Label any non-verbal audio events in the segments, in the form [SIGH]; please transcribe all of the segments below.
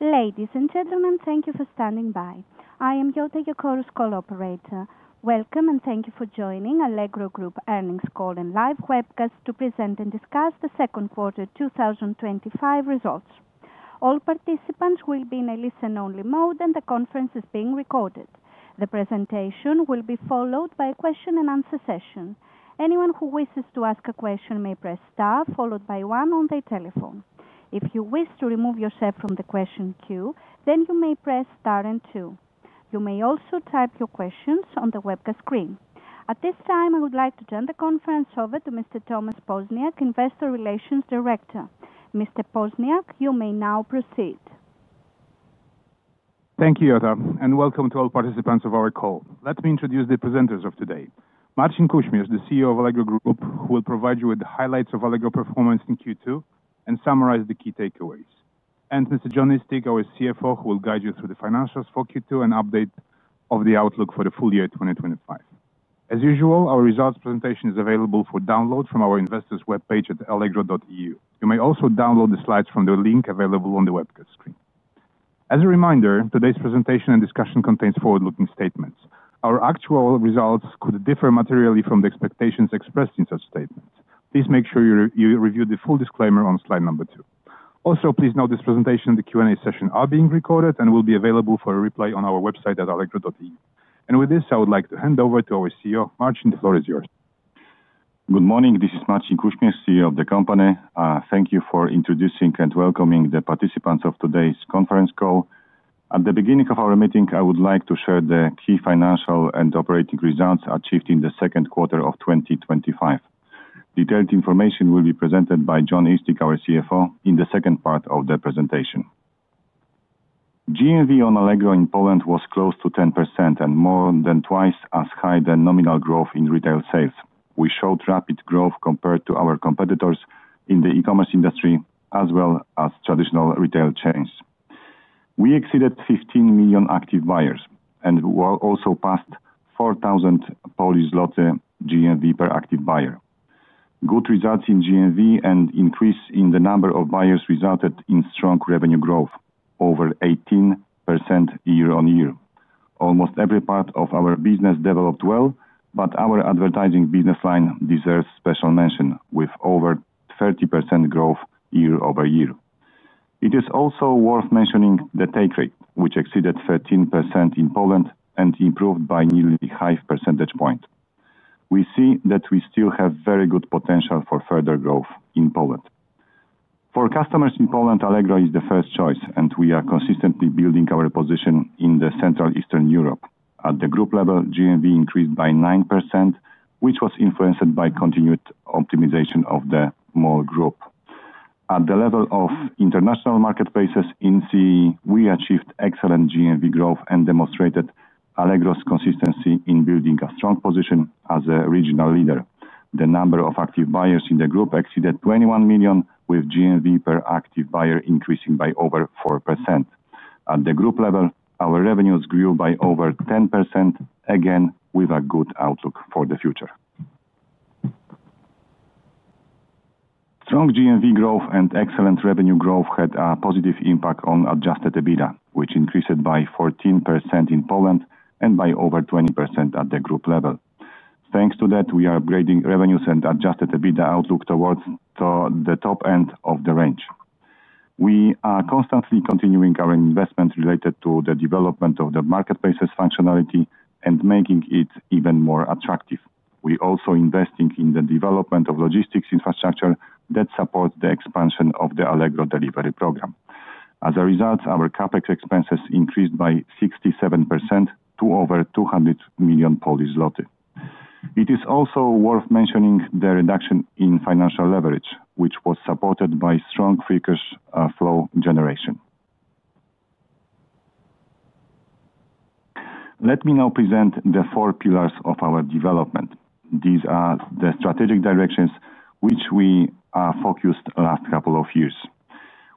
Ladies and gentlemen, thank you for standing by. I am your technical call operator. Welcome and thank you for joining Allegro Group Earnings Call and Live Webcast to present and discuss the Second Quarter 2025 Results. All participants will be in a listen-only mode, and the conference is being recorded. The presentation will be followed by a question and answer session. Anyone who wishes to ask a question may press star followed by one on their telephone. If you wish to remove yourself from the question queue, then you may press star and two. You may also type your questions on the webcast screen. At this time, I would like to turn the conference over to Mr. Tomasz Poźniak, Investor Relations Director. Mr. Poźniak, you may now proceed. Thank you, [AUDIO DISTORTION] and welcome to all participants of our call. Let me introduce the presenters of today. Marcin Kuśmierz, the CEO of Allegro Group, will provide you with the highlights of Allegro performance in Q2 and summarize the key takeaways. Mr. Jon Eastick, our CFO, will guide you through the financials for Q2 and update of the outlook for the full year 2025. As usual, our results presentation is available for download from our investors' webpage at allegro.eu. You may also download the slides from the link available on the webcast screen. As a reminder, today's presentation and discussion contains forward-looking statements. Our actual results could differ materially from the expectations expressed in such statements. Please make sure you review the full disclaimer on slide number 2. Also, please note this presentation and the Q&A session are being recorded and will be available for a replay on our website at allegro.eu. With this, I would like to hand over to our CEO. Marcin, the floor is yours. Good morning. This is Marcin Kuśmierz, CEO of the company. Thank you for introducing and welcoming the participants of today's conference call. At the beginning of our meeting, I would like to share the key financial and operating results achieved in the second quarter of 2025. Detailed information will be presented by Jon Eastick, our CFO, in the second part of the presentation. GMV on Allegro in Poland was close to 10% and more than twice as high as nominal growth in retail sales. We showed rapid growth compared to our competitors in the e-commerce industry, as well as traditional retail chains. We exceeded 15 million active buyers and also passed 4,000 Polish zloty GMV per active buyer. Good results in GMV and increase in the number of buyers resulted in strong revenue growth, over 18% year-on-year. Almost every part of our business developed well, but our advertising business line deserves special mention with over 30% growth year-over-year. It is also worth mentioning the take rate, which exceeded 13% in Poland and improved by nearly a half percentage point. We see that we still have very good potential for further growth in Poland. For customers in Poland, Allegro is the first choice, and we are consistently building our position in Central and Eastern Europe. At the group level, GMV increased by 9%, which was influenced by continued optimization of the Mall group. At the level of international marketplaces, in CEE, we achieved excellent GMV growth and demonstrated Allegro's consistency in building a strong position as a regional leader. The number of active buyers in the group exceeded 21 million, with GMV per active buyer increasing by over 4%. At the group level, our revenues grew by over 10%, again with a good outlook for the future. Strong GMV growth and excellent revenue growth had a positive impact on adjusted EBITDA, which increased by 14% in Poland and by over 20% at the group level. Thanks to that, we are upgrading revenues and adjusted EBITDA outlook towards the top end of the range. We are constantly continuing our investment related to the development of the marketplaces functionality and making it even more attractive. We are also investing in the development of logistics infrastructure that supports the expansion of the Allegro Delivery program. As a result, our capital expenditures increased by 67% to over 200 million Polish zloty. It is also worth mentioning the reduction in financial leverage, which was supported by strong free cash flow generation. Let me now present the four pillars of our development. These are the strategic directions which we focused on the last couple of years.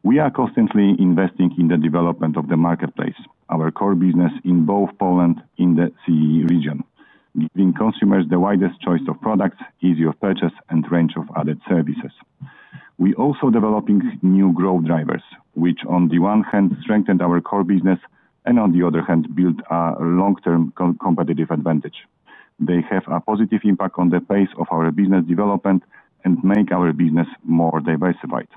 We are constantly investing in the development of the marketplace, our core business in both Poland and the CEE region, giving consumers the widest choice of products, ease of purchase, and range of added services. We are also developing new growth drivers, which on the one hand strengthen our core business and on the other hand build a long-term competitive advantage. They have a positive impact on the pace of our business development and make our business more diversified.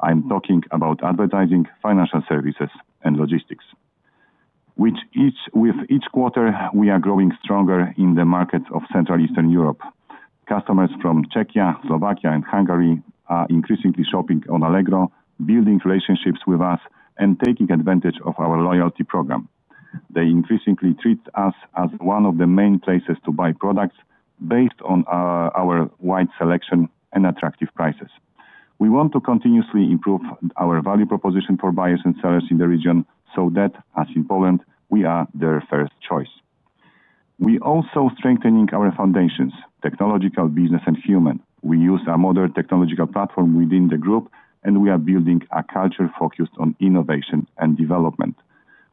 I'm talking about advertising, financial services, and logistics. With each quarter, we are growing stronger in the markets of Central and Eastern Europe. Customers from Czechia, Slovakia, and Hungary are increasingly shopping on Allegro, building relationships with us, and taking advantage of our loyalty program. They increasingly treat us as one of the main places to buy products based on our wide selection and attractive prices. We want to continuously improve our value proposition for buyers and sellers in the region so that, as in Poland, we are their first choice. We are also strengthening our foundations: technological, business, and human. We use a modern technological platform within the group, and we are building a culture focused on innovation and development.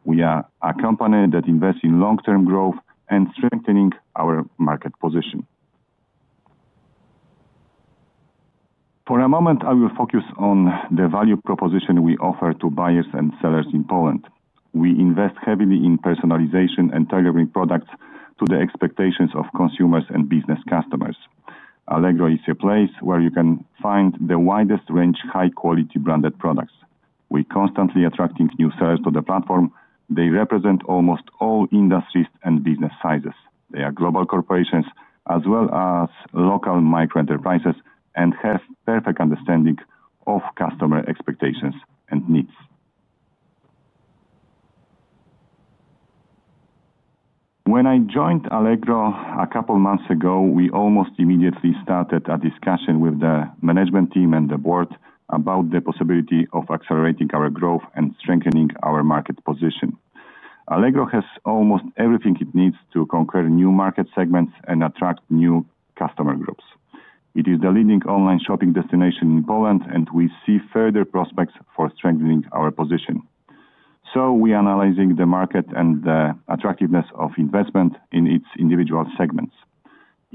We are a company that invests in long-term growth and strengthening our market position. For a moment, I will focus on the value proposition we offer to buyers and sellers in Poland. We invest heavily in personalization and targeting products to the expectations of consumers and business customers. Allegro is a place where you can find the widest range of high-quality branded products. We are constantly attracting new sellers to the platform. They represent almost all industries and business sizes. They are global corporations, as well as local micro-enterprises, and have a perfect understanding of customer expectations and needs. When I joined Allegro a couple of months ago, we almost immediately started a discussion with the management team and the board about the possibility of accelerating our growth and strengthening our market position. Allegro has almost everything it needs to conquer new market segments and attract new customer groups. It is the leading online shopping destination in Poland, and we see further prospects for strengthening our position. We are analyzing the market and the attractiveness of investment in its individual segments.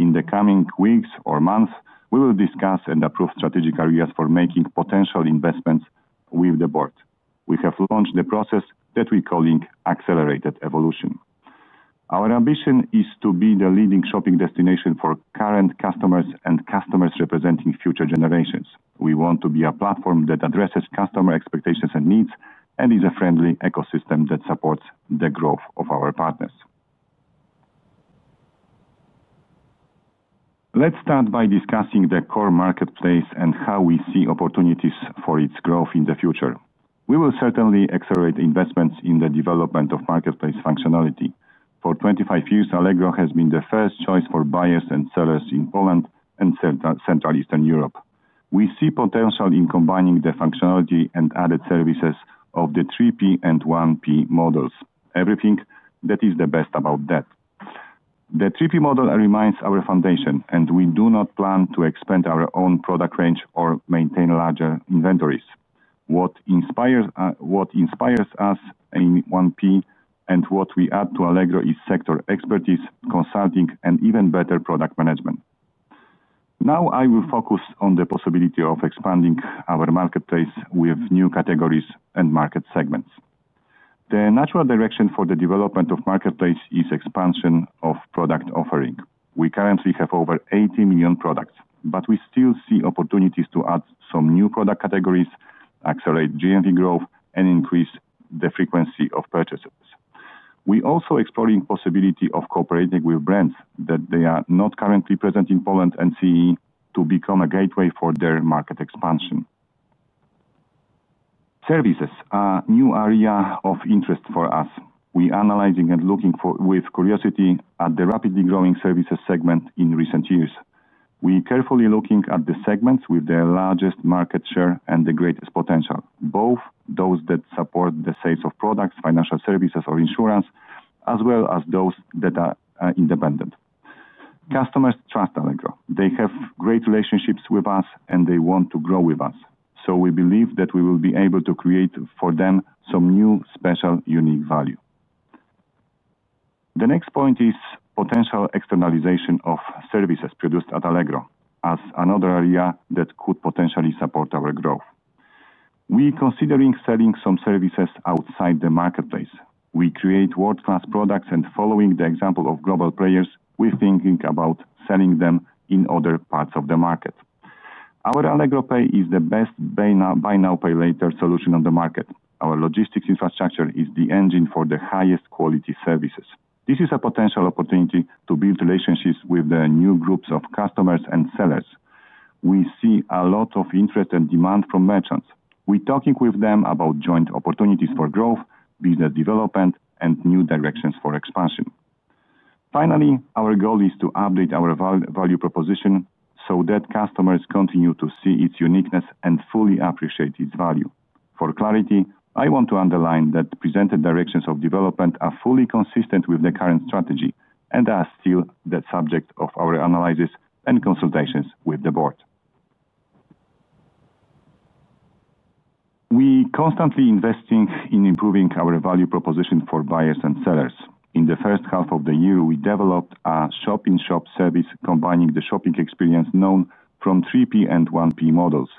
In the coming weeks or months, we will discuss and approve strategic areas for making potential investments with the board. We have launched the process that we are calling accelerated evolution. Our ambition is to be the leading shopping destination for current customers and customers representing future generations. We want to be a platform that addresses customer expectations and needs and is a friendly ecosystem that supports the growth of our partners. Let's start by discussing the core marketplace and how we see opportunities for its growth in the future. We will certainly accelerate investments in the development of marketplace functionality. For 25 years, Allegro has been the first choice for buyers and sellers in Poland and Central and Eastern Europe. We see potential in combining the functionality and added services of the 3P and 1P models. Everything that is the best about that. The 3P model remains our foundation, and we do not plan to expand our own product range or maintain larger inventories. What inspires us in 1P and what we add to Allegro is sector expertise, consulting, and even better product management. Now, I will focus on the possibility of expanding our marketplace with new categories and market segments. The natural direction for the development of the marketplace is expansion of product offering. We currently have over 80 million products, but we still see opportunities to add some new product categories, accelerate GMV growth, and increase the frequency of purchases. We are also exploring the possibility of cooperating with brands that are not currently present in Poland and CEE to become a gateway for their market expansion. Services are a new area of interest for us. We are analyzing and looking with curiosity at the rapidly growing services segment in recent years. We are carefully looking at the segments with the largest market share and the greatest potential, both those that support the sales of products, financial services, or insurance, as well as those that are independent. Customers trust Allegro. They have great relationships with us, and they want to grow with us. We believe that we will be able to create for them some new, special, unique value. The next point is potential externalization of services produced at Allegro as another area that could potentially support our growth. We are considering selling some services outside the marketplace. We create world-class products and, following the example of global players, we are thinking about selling them in other parts of the market. Our Allegro Pay is the best BNPL solution on the market. Our logistics infrastructure is the engine for the highest quality services. This is a potential opportunity to build relationships with new groups of customers and sellers. We see a lot of interest and demand from merchants. We are talking with them about joint opportunities for growth, business development, and new directions for expansion. Finally, our goal is to update our value proposition so that customers continue to see its uniqueness and fully appreciate its value. For clarity, I want to underline that presented directions of development are fully consistent with the current strategy and are still the subject of our analysis and consultations with the Board. We are constantly investing in improving our value proposition for buyers and sellers. In the first half of the year, we developed a shop-in-shop service combining the shopping experience known from 3P and 1P models.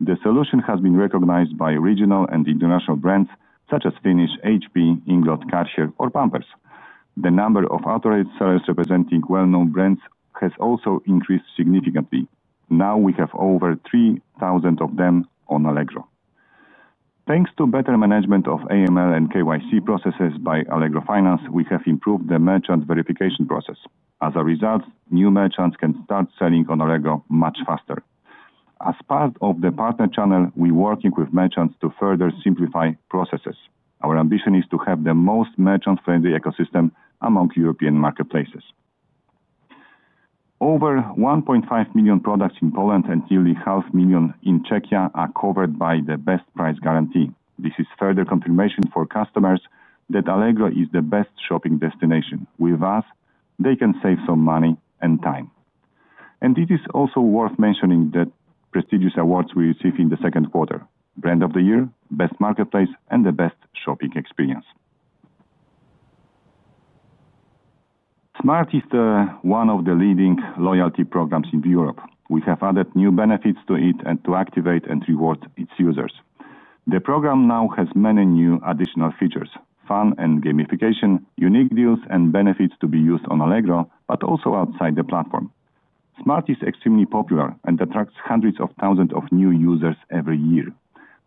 The solution has been recognized by regional and international brands such as Finnish HP, Inglot, Karcher, or Pampers. The number of authorized sellers representing well-known brands has also increased significantly. Now, we have over 3,000 of them on Allegro. Thanks to better management of AML and KYC processes by Allegro Finance, we have improved the merchant verification process. As a result, new merchants can start selling on Allegro much faster. As part of the partner channel, we are working with merchants to further simplify processes. Our ambition is to have the most merchant-friendly ecosystem among European marketplaces. Over 1.5 million products in Poland and nearly 0.5 million in Czechia are covered by the best price guarantee. This is further confirmation for customers that Allegro is the best shopping destination. With us, they can save some money and time. It is also worth mentioning the prestigious awards we received in the second quarter: Brand of the Year, Best Marketplace, and the Best Shopping Experience. Smart! is one of the leading loyalty programs in Europe. We have added new benefits to it to activate and reward its users. The program now has many new additional features: fun and gamification, unique deals, and benefits to be used on Allegro, but also outside the platform. Smart! is extremely popular and attracts hundreds of thousands of new users every year.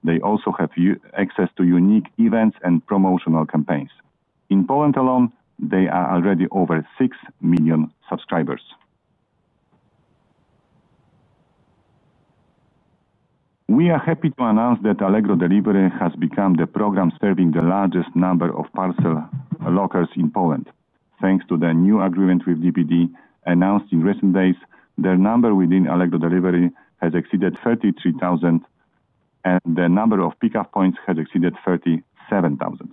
They also have access to unique events and promotional campaigns. In Poland alone, they are already over 6 million subscribers. We are happy to announce that Allegro Delivery has become the program serving the largest number of parcel lockers in Poland. Thanks to the new agreement with DPD, announced in recent days, the number within Allegro Delivery has exceeded 33,000, and the number of pickup points has exceeded 37,000.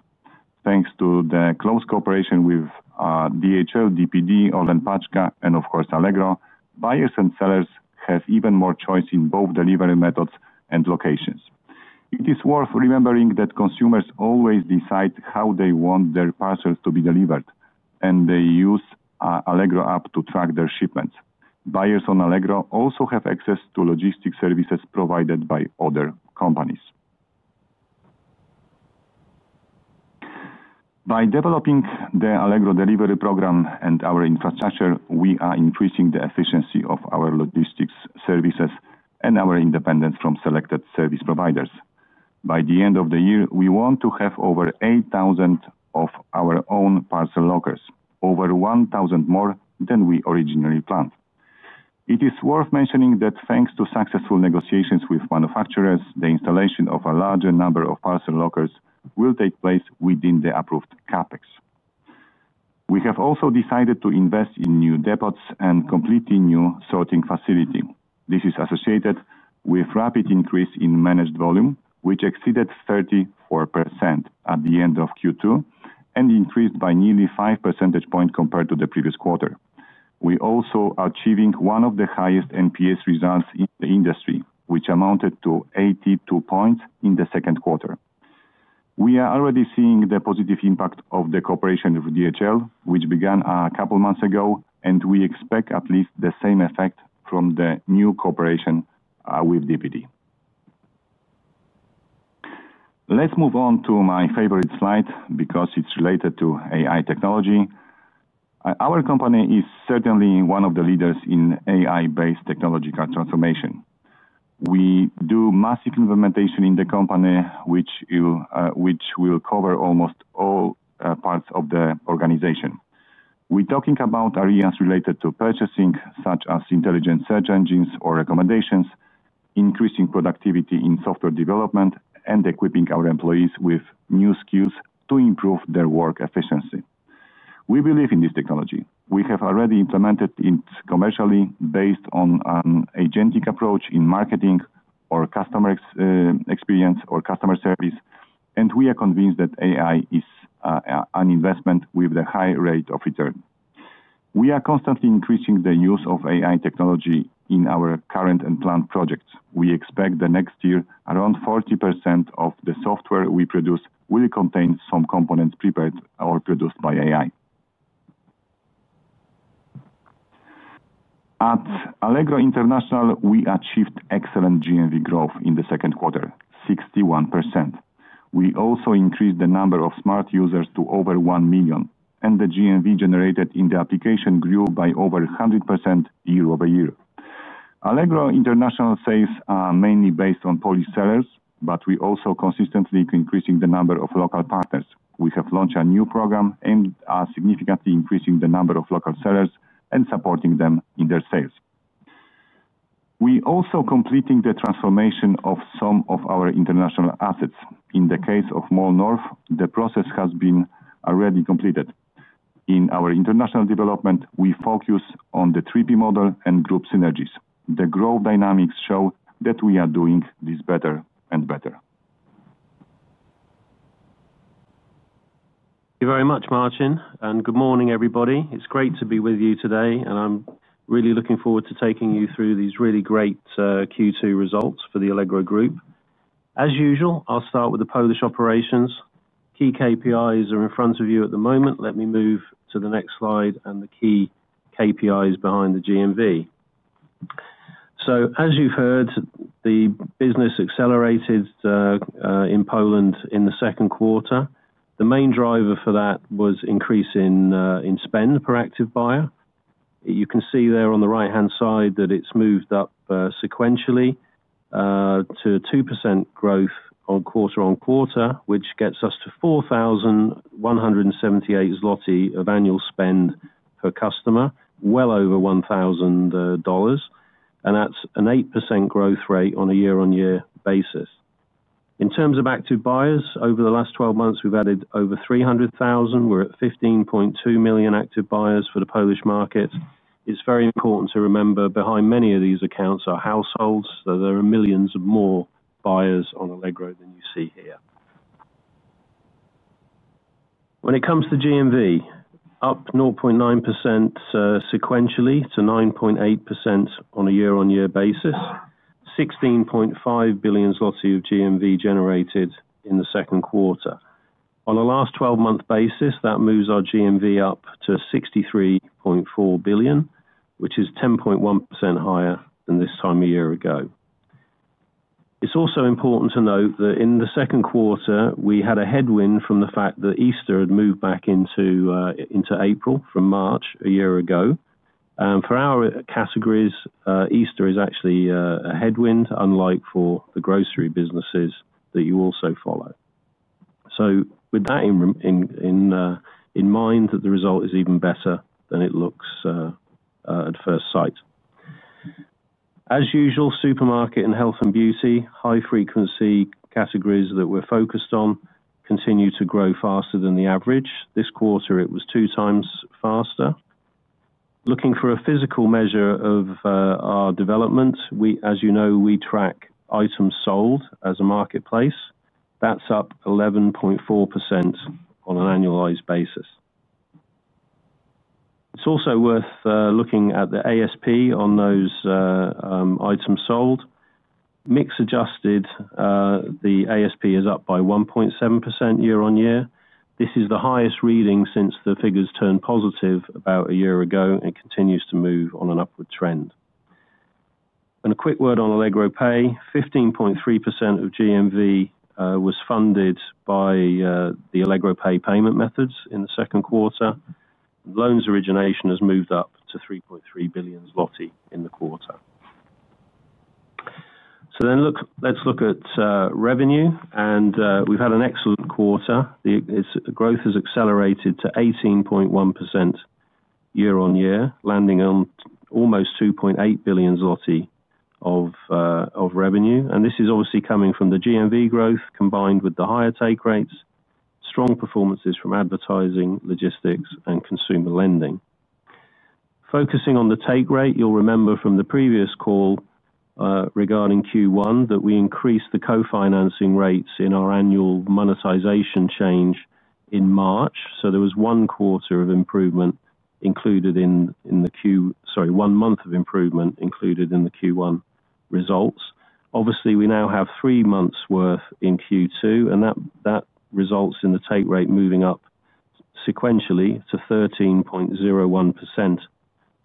Thanks to the close cooperation with DHL, DPD, AliPaczka, and of course, Allegro, buyers and sellers have even more choice in both delivery methods and locations. It is worth remembering that consumers always decide how they want their parcels to be delivered, and they use the Allegro app to track their shipments. Buyers on Allegro also have access to logistics services provided by other companies. By developing the Allegro Delivery program and our infrastructure, we are increasing the efficiency of our logistics services and our independence from selected service providers. By the end of the year, we want to have over 8,000 of our own parcel lockers, over 1,000 more than we originally planned. It is worth mentioning that thanks to successful negotiations with manufacturers, the installation of a larger number of parcel lockers will take place within the approved CapEx. We have also decided to invest in new depots and a completely new sorting facility. This is associated with a rapid increase in managed volume, which exceeded 34% at the end of Q2 and increased by nearly 5 percentage points compared to the previous quarter. We are also achieving one of the highest NPS results in the industry, which amounted to 82 points in the second quarter. We are already seeing the positive impact of the cooperation with DHL, which began a couple of months ago, and we expect at least the same effect from the new cooperation with DPD. Let's move on to my favorite slide because it's related to AI technology. Our company is certainly one of the leaders in AI-based technological transformation. We do massive implementation in the company, which will cover almost all parts of the organization. We are talking about areas related to purchasing, such as intelligent search engines or recommendations, increasing productivity in software development, and equipping our employees with new skills to improve their work efficiency. We believe in this technology. We have already implemented it commercially based on an agentic approach in marketing or customer experience or customer service, and we are convinced that AI is an investment with a high rate of return. We are constantly increasing the use of AI technology in our current and planned projects. We expect the next year around 40% of the software we produce will contain some components prepared or produced by AI. At Allegro International, we achieved excellent GMV growth in the second quarter, 61%. We also increased the number of Smart! users to over 1 million, and the GMV generated in the application grew by over 100% year-over-year. Allegro International's sales are mainly based on Polish sellers, but we are also consistently increasing the number of local partners. We have launched a new program and are significantly increasing the number of local sellers and supporting them in their sales. We are also completing the transformation of some of our international assets. In the case of Mall North, the process has been already completed. In our international development, we focus on the 3P marketplace model and group synergies. The growth dynamics show that we are doing this better and better. Thank you very much, Marcin, and good morning, everybody. It's great to be with you today, and I'm really looking forward to taking you through these really great Q2 results for the Allegro Group. As usual, I'll start with the Polish operations. Key KPIs are in front of you at the moment. Let me move to the next slide and the key KPIs behind the GMV. As you've heard, the business accelerated in Poland in the second quarter. The main driver for that was an increase in spend per active buyer. You can see there on the right-hand side that it's moved up sequentially to a 2% growth quarter-on-quarter, which gets us to 4,178 zloty of annual spend per customer, well over $1,000. That's an 8% growth rate on a year-on-year basis. In terms of active buyers, over the last 12 months, we've added over 300,000. We're at 15.2 million active buyers for the Polish market. It's very important to remember behind many of these accounts are households. There are millions of more buyers on Allegro than you see here. When it comes to GMV, up 0.9% sequentially to 9.8% on a year-on-year basis, 16.5 billion zloty of GMV generated in the second quarter. On a last 12-month basis, that moves our GMV up to 63.4 billion, which is 10.1% higher than this time a year ago. It's also important to note that in the second quarter, we had a headwind from the fact that Easter had moved back into April from March a year ago. For our categories, Easter is actually a headwind, unlike for the grocery businesses that you also follow. With that in mind, the result is even better than it looks at first sight. As usual, supermarket and health and beauty, high-frequency categories that we're focused on, continue to grow faster than the average. This quarter, it was 2x faster. Looking for a physical measure of our development, as you know, we track items sold as a marketplace. That's up 11.4% on an annualized basis. It's also worth looking at the ASP on those items sold. Mix adjusted, the ASP is up by 1.7% year-on-year. This is the highest reading since the figures turned positive about a year ago, and it continues to move on an upward trend. A quick word on Allegro Pay. 15.3% of GMV was funded by the Allegro Pay payment methods in the second quarter. Loans origination has moved up to 3.3 billion zloty in the quarter. Let's look at revenue, and we've had an excellent quarter. The growth has accelerated to 18.1% year-on-year, landing on almost 2.8 billion zloty of revenue. This is obviously coming from the GMV growth combined with the higher take rates, strong performances from advertising, logistics, and consumer lending. Focusing on the take rate, you'll remember from the previous call regarding Q1 that we increased the co-financing rates in our annual monetization change in March. There was one month of improvement included in the Q1 results. Obviously, we now have three months' worth in Q2, and that results in the take rate moving up sequentially to 13.01%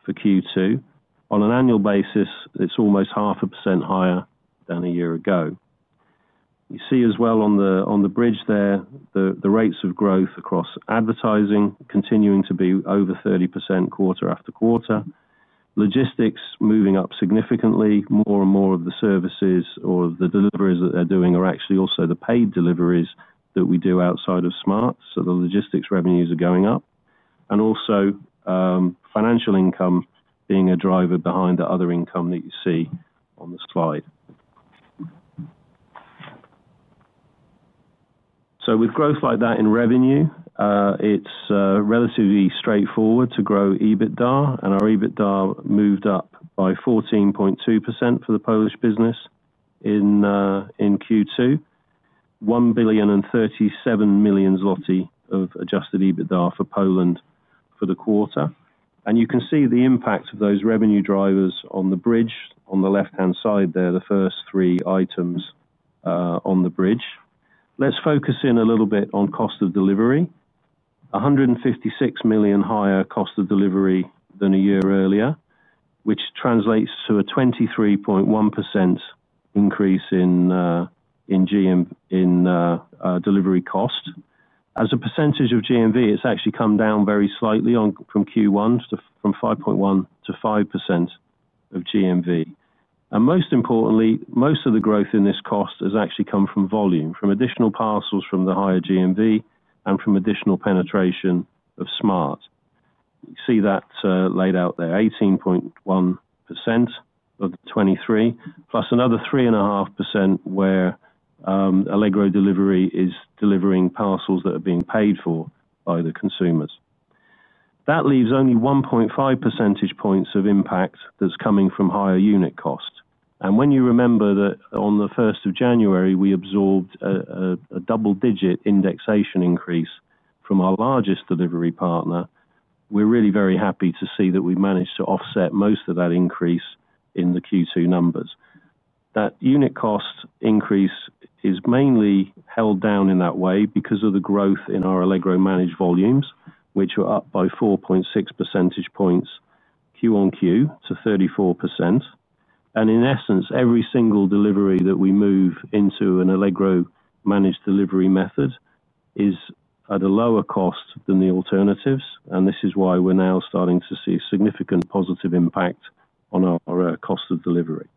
for Q2. On an annual basis, it's almost half a percent higher than a year ago. You see as well on the bridge there, the rates of growth across advertising continuing to be over 30% quarter-after-quarter. Logistics moving up significantly. More and more of the services or the deliveries that they're doing are actually also the paid deliveries that we do outside of Smart!, so the logistics revenues are going up. Also, financial income being a driver behind the other income that you see on the slide. With growth like that in revenue, it's relatively straightforward to grow EBITDA, and our EBITDA moved up by 14.2% for the Polish business in Q2. 1.037 billion of adjusted EBITDA for Poland for the quarter. You can see the impact of those revenue drivers on the bridge. On the left-hand side, they're the first three items on the bridge. Let's focus in a little bit on cost of delivery. 156 million higher cost of delivery than a year earlier, which translates to a 23.1% increase in delivery cost. As a percentage of GMV, it's actually come down very slightly from Q1 from 5.1%-5% of GMV. Most importantly, most of the growth in this cost has actually come from volume, from additional parcels from the higher GMV and from additional penetration of Smart!. You see that laid out there, 18.1% of the 23, plus another 3.5% where Allegro Delivery is delivering parcels that are being paid for by the consumers. That leaves only 1.5 percentage points of impact that's coming from higher unit cost. When you remember that on the 1st of January, we absorbed a double-digit indexation increase from our largest delivery partner, we're really very happy to see that we've managed to offset most of that increase in the Q2 numbers. That unit cost increase is mainly held down in that way because of the growth in our Allegro managed volumes, which are up by 4.6 percentage points QoQ to 34%. In essence, every single delivery that we move into an Allegro managed delivery method is at a lower cost than the alternatives, and this is why we're now starting to see a significant positive impact on our cost of delivery.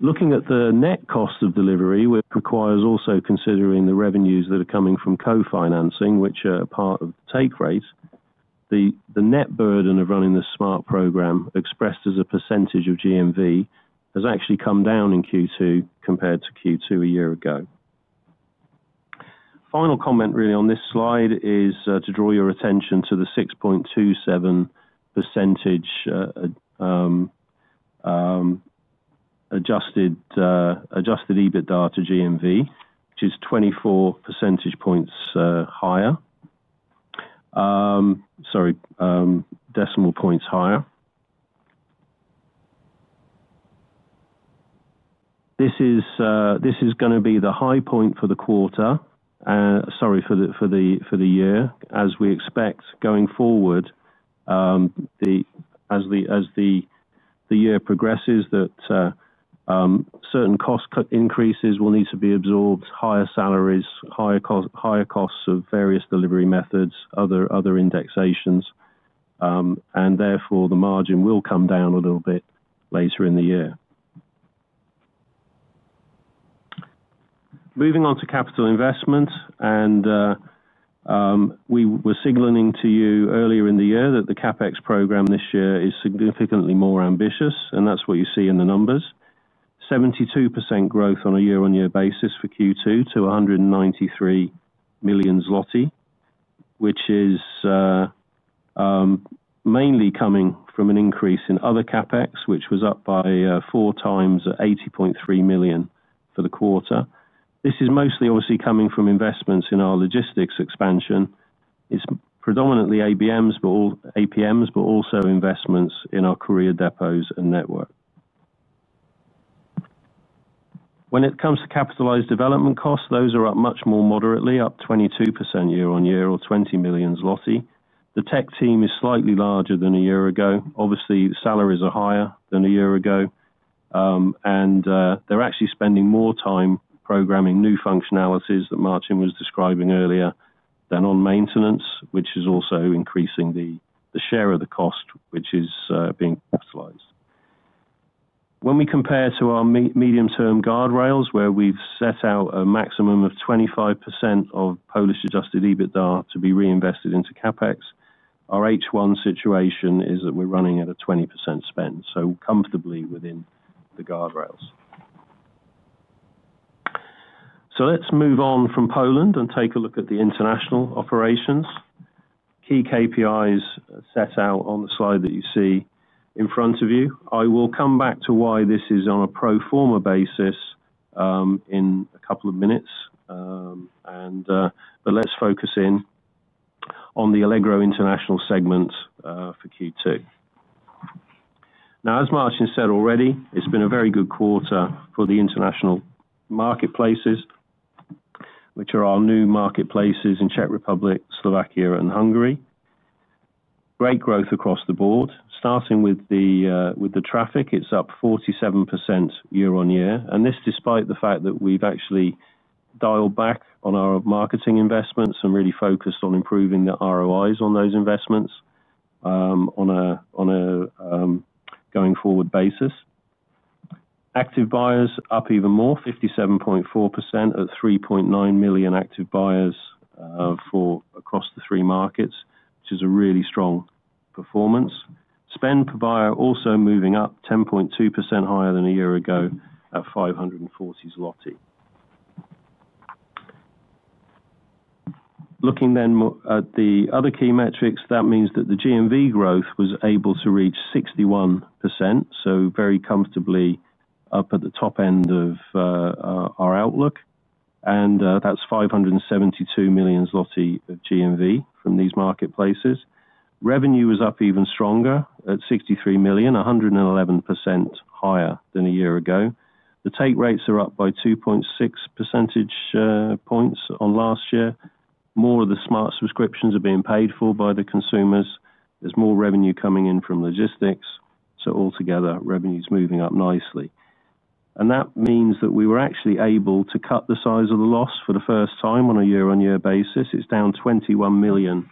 Looking at the net cost of delivery, which requires also considering the revenues that are coming from co-financing, which are a part of the take rate, the net burden of running the Smart! loyalty program expressed as a percentage of GMV has actually come down in Q2 compared to Q2 a year ago. Final comment really on this slide is to draw your attention to the 6.27% adjusted EBITDA to GMV, which is 24 percentage points higher. Sorry, decimal points higher. This is going to be the high point for the quarter, sorry, for the year. As we expect going forward, as the year progresses, that certain cost increases will need to be absorbed, higher salaries, higher costs of various delivery methods, other indexations, and therefore, the margin will come down a little bit later in the year. Moving on to capital investment, and we were signaling to you earlier in the year that the CapEx program this year is significantly more ambitious, and that's what you see in the numbers. 72% growth on a year-on-year basis for Q2 to 193 million zloty, which is mainly coming from an increase in other CapEx, which was up by 4x at 80.3 million for the quarter. This is mostly obviously coming from investments in our logistics expansion. It's predominantly APMs, but also investments in our courier depots and network. When it comes to capitalized development costs, those are up much more moderately, up 22% year-on-year or 20 million zloty. The tech team is slightly larger than a year ago. Obviously, salaries are higher than a year ago, and they're actually spending more time programming new functionalities that Marcin was describing earlier than on maintenance, which is also increasing the share of the cost which is being capitalized. When we compare to our medium-term guardrails, where we've set out a maximum of 25% of Polish adjusted EBITDA to be reinvested into CapEx, our H1 situation is that we're running at a 20% spend, so comfortably within the guardrails. Let's move on from Poland and take a look at the international operations. Key KPIs set out on the slide that you see in front of you. I will come back to why this is on a pro forma basis in a couple of minutes, but let's focus in on the Allegro International segment for Q2. Now, as Marcin said already, it's been a very good quarter for the international marketplaces, which are our new marketplaces in Czech Republic, Slovakia, and Hungary. Great growth across the board. Starting with the traffic, it's up 47% year-on-year, and this despite the fact that we've actually dialed back on our marketing investments and really focused on improving the ROIs on those investments on a going-forward basis. Active buyers up even more, 57.4% of 3.9 million active buyers across the three markets, which is a really strong performance. Spend per buyer also moving up 10.2% higher than a year ago at 540 zloty. Looking then at the other key metrics, that means that the GMV growth was able to reach 61%, so very comfortably up at the top end of our outlook, and that's 572 million zloty of GMV from these marketplaces. Revenue was up even stronger at 63 million, 111% higher than a year ago. The take rates are up by 2.6 percentage points on last year. More of the Smart! subscriptions are being paid for by the consumers. There's more revenue coming in from logistics, so altogether revenue is moving up nicely. That means that we were actually able to cut the size of the loss for the first time on a year-on-year basis. It's down 21 million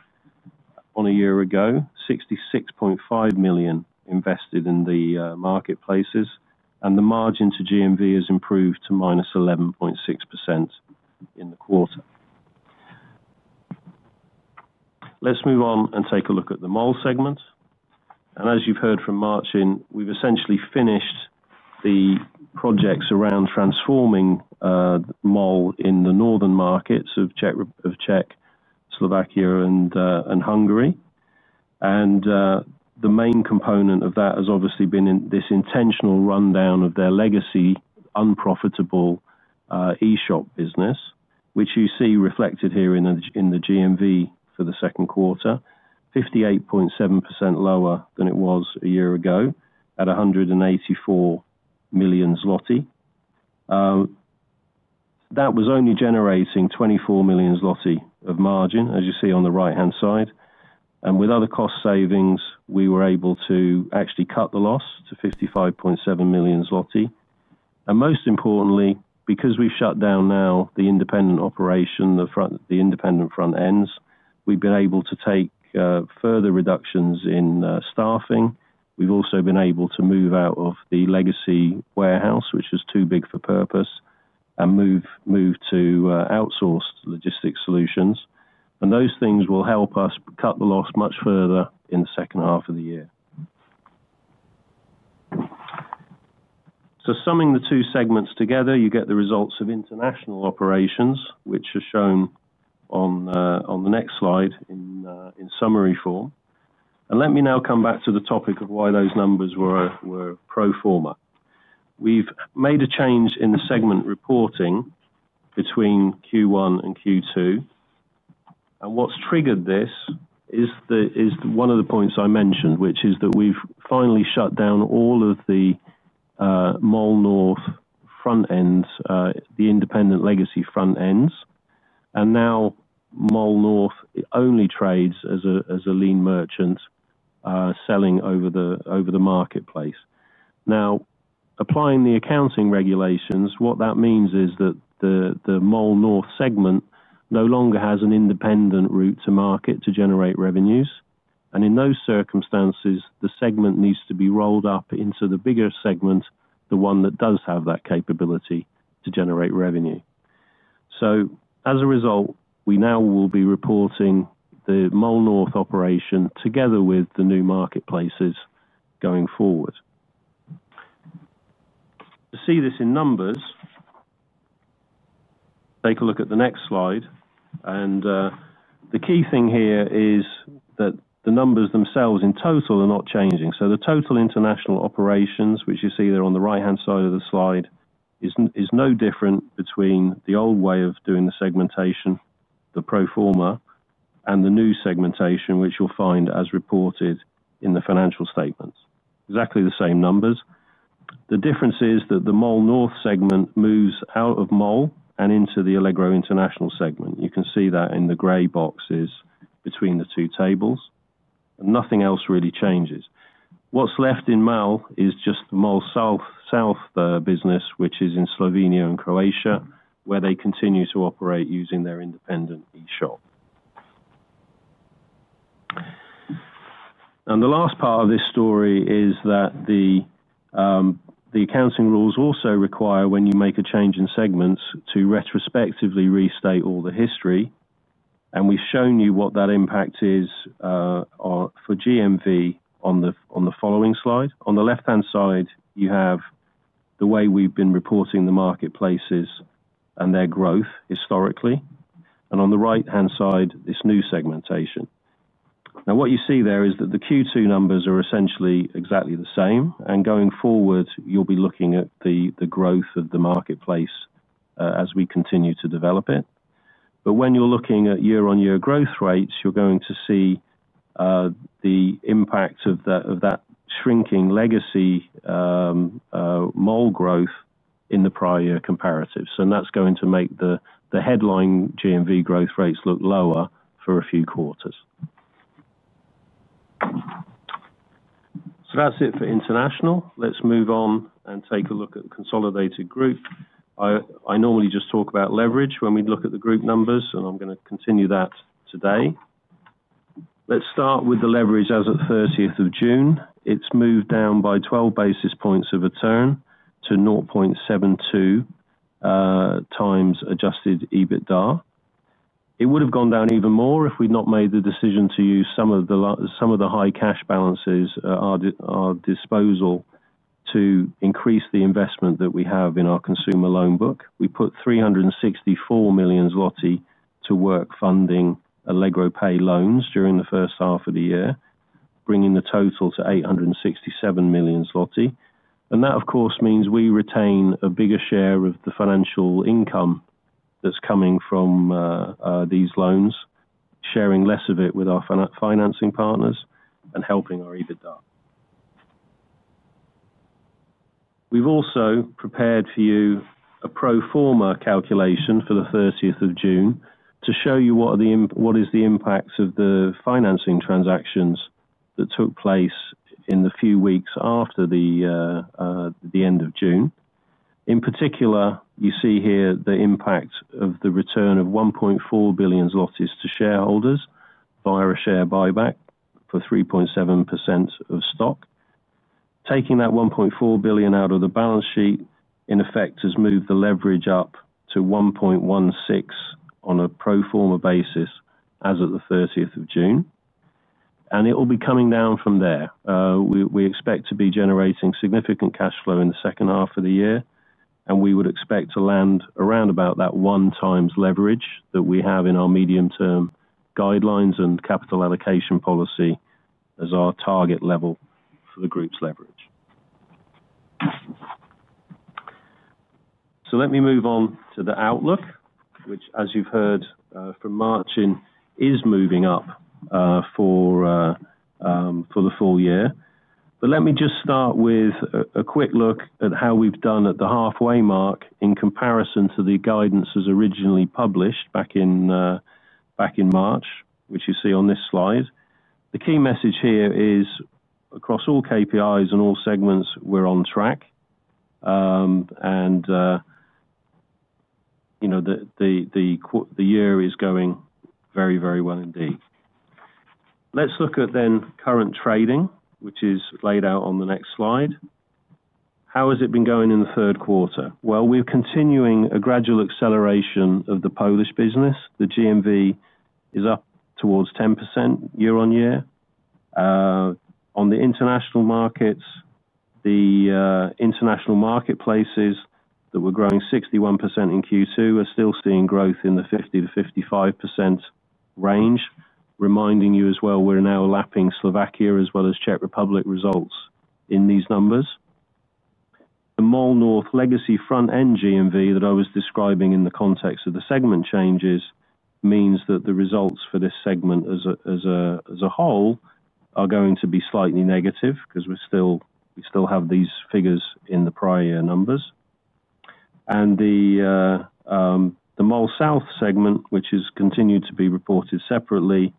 on a year ago, 66.5 million invested in the marketplaces, and the margin to GMV has improved to -11.6% in the quarter. Let's move on and take a look at the Mall North segment. As you've heard from Marcin, we've essentially finished the projects around transforming the mall in the northern markets of Czechia, Slovakia, and Hungary. The main component of that has obviously been this intentional rundown of their legacy unprofitable e-shop business, which you see reflected here in the GMV for the second quarter, 58.7% lower than it was a year ago at 184 million zloty. That was only generating 24 million zloty of margin, as you see on the right-hand side. With other cost savings, we were able to actually cut the loss to 55.7 million zloty. Most importantly, because we've shut down now the independent operation, the independent front ends, we've been able to take further reductions in staffing. We've also been able to move out of the legacy warehouse, which was too big for purpose, and move to outsourced logistics solutions. Those things will help us cut the loss much further in the second half of the year. Summing the two segments together, you get the results of international operations, which are shown on the next slide in summary form. Let me now come back to the topic of why those numbers were pro forma. We've made a change in the segment reporting between Q1 and Q2. What's triggered this is one of the points I mentioned, which is that we've finally shut down all of the Mall North front ends, the independent legacy front ends. Now Mall North only trades as a lean merchant selling over the marketplace. Applying the accounting regulations, what that means is that the Mall North segment no longer has an independent route to market to generate revenues. In those circumstances, the segment needs to be rolled up into the bigger segment, the one that does have that capability to generate revenue. As a result, we now will be reporting the Mall North operation together with the new marketplaces going forward. To see this in numbers, take a look at the next slide. The key thing here is that the numbers themselves in total are not changing. The total international operations, which you see there on the right-hand side of the slide, is no different between the old way of doing the segmentation, the pro forma, and the new segmentation, which you'll find as reported in the financial statements. Exactly the same numbers. The difference is that the Mall North segment moves out of Mall and into the Allegro International segment. You can see that in the gray boxes between the two tables. Nothing else really changes. What's left in Mall is just the Mall South business, which is in Slovenia and Croatia, where they continue to operate using their independent e-shop. The last part of this story is that the accounting rules also require, when you make a change in segments, to retrospectively restate all the history. We've shown you what that impact is for GMV on the following slide. On the left-hand side, you have the way we've been reporting the marketplaces and their growth historically. On the right-hand side, this new segmentation. What you see there is that the Q2 numbers are essentially exactly the same. Going forward, you'll be looking at the growth of the marketplace as we continue to develop it. When you're looking at year-on-year growth rates, you're going to see the impact of that shrinking legacy Mall North growth in the prior year comparatives. That's going to make the headline GMV growth rates look lower for a few quarters. That's it for international. Let's move on and take a look at the consolidated group. I normally just talk about leverage when we look at the group numbers, and I'm going to continue that today. Let's start with the leverage as of 30th of June. It's moved down by 12 basis points of return to 0.72x adjusted EBITDA. It would have gone down even more if we'd not made the decision to use some of the high cash balances at our disposal to increase the investment that we have in our consumer loan book. We put 364 million zloty to work funding Allegro Pay loans during the first half of the year, bringing the total to 867 million zloty. That, of course, means we retain a bigger share of the financial income that's coming from these loans, sharing less of it with our financing partners and helping our EBITDA. We've also prepared for you a pro forma calculation for 30th of June to show you what is the impact of the financing transactions that took place in the few weeks after the end of June. In particular, you see here the impact of the return of 1.4 billion zlotys to shareholders via a share buyback for 3.7% of stock. Taking that 1.4 billion out of the balance sheet, in effect, has moved the leverage up to 1.16 on a pro forma basis as of 30th of June. It will be coming down from there. We expect to be generating significant cash flow in the second half of the year, and we would expect to land around about that 1x leverage that we have in our medium-term guidelines and capital allocation policy as our target level for the group's leverage. Let me move on to the outlook, which, as you've heard from Marcin, is moving up for the full year. Let me just start with a quick look at how we've done at the halfway mark in comparison to the guidance as originally published back in March, which you see on this slide. The key message here is across all KPIs and all segments, we're on track and the year is going very, very well indeed. Let's look at then current trading, which is laid out on the next slide. How has it been going in the third quarter? We're continuing a gradual acceleration of the Polish business. The GMV is up towards 10% year-on-year. On the international markets, the international marketplaces that were growing 61% in Q2 are still seeing growth in the 50%-55% range. Reminding you as well, we're now lapping Slovakia as well as Czechia results in these numbers. The Mall North legacy front-end GMV that I was describing in the context of the segment changes means that the results for this segment as a whole are going to be slightly negative because we still have these figures in the prior year numbers. The Mall South segment, which has continued to be reported separately,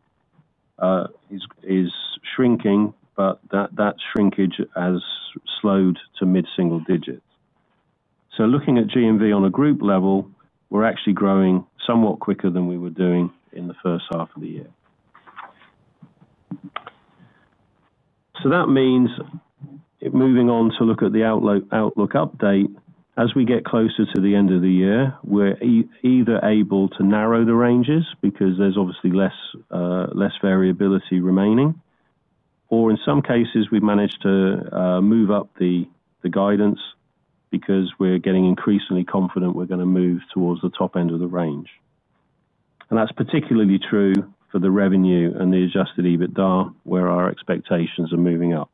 is shrinking, but that shrinkage has slowed to mid-single digits. Looking at GMV on a group level, we're actually growing somewhat quicker than we were doing in the first half of the year. That means moving on to look at the outlook update. As we get closer to the end of the year, we're either able to narrow the ranges because there's obviously less variability remaining, or in some cases, we've managed to move up the guidance because we're getting increasingly confident we're going to move towards the top end of the range. That's particularly true for the revenue and the adjusted EBITDA, where our expectations are moving up.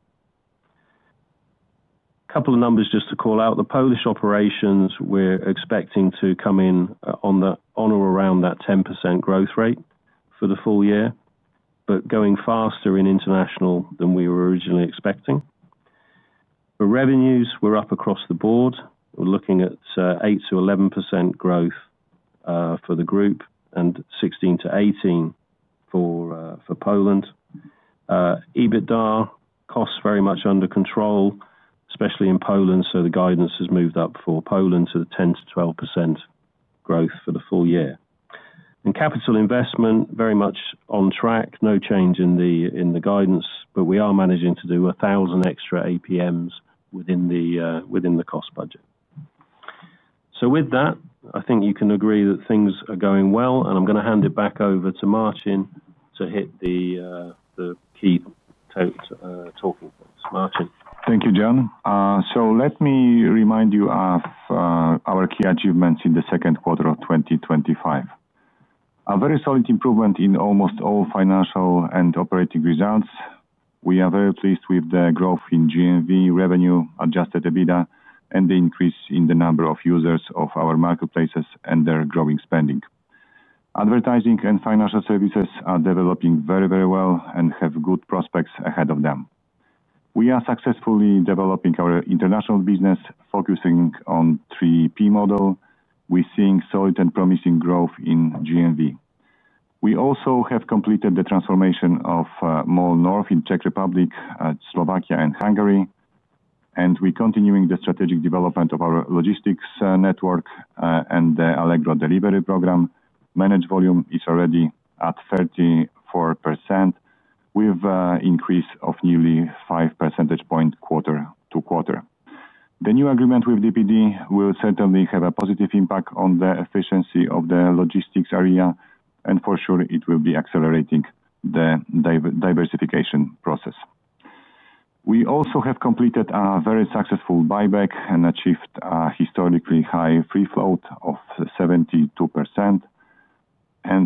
A couple of numbers just to call out. The Polish operations, we're expecting to come in on or around that 10% growth rate for the full year, but going faster in international than we were originally expecting. Revenues were up across the board. We're looking at 8 to 11% growth for the group and 16%-18% for Poland. EBITDA costs very much under control, especially in Poland, so the guidance has moved up for Poland to the 10%-12% growth for the full year. Capital investment, very much on track, no change in the guidance, but we are managing to do 1,000 extra APMs within the cost budget. I think you can agree that things are going well, and I'm going to hand it back over to Marcin to hit the key talking points. Marcin. Thank you, Jon. Let me remind you of our key achievements in the second quarter of 2025. A very solid improvement in almost all financial and operating results. We are very pleased with the growth in GMV, revenue, adjusted EBITDA, and the increase in the number of users of our marketplaces and their growing spending. Advertising and financial services are developing very, very well and have good prospects ahead of them. We are successfully developing our international business, focusing on the 3P marketplace model. We're seeing solid and promising growth in GMV. We also have completed the transformation of Mall North in Czech Republic to Slovakia and Hungary, and we're continuing the strategic development of our logistics network and the Allegro Delivery program. Managed volume is already at 34% with an increase of nearly 5 percentage points quarter to quarter. The new agreement with DPD will certainly have a positive impact on the efficiency of the logistics area, and for sure, it will be accelerating the diversification process. We also have completed a very successful buyback and achieved a historically high free float of 72%.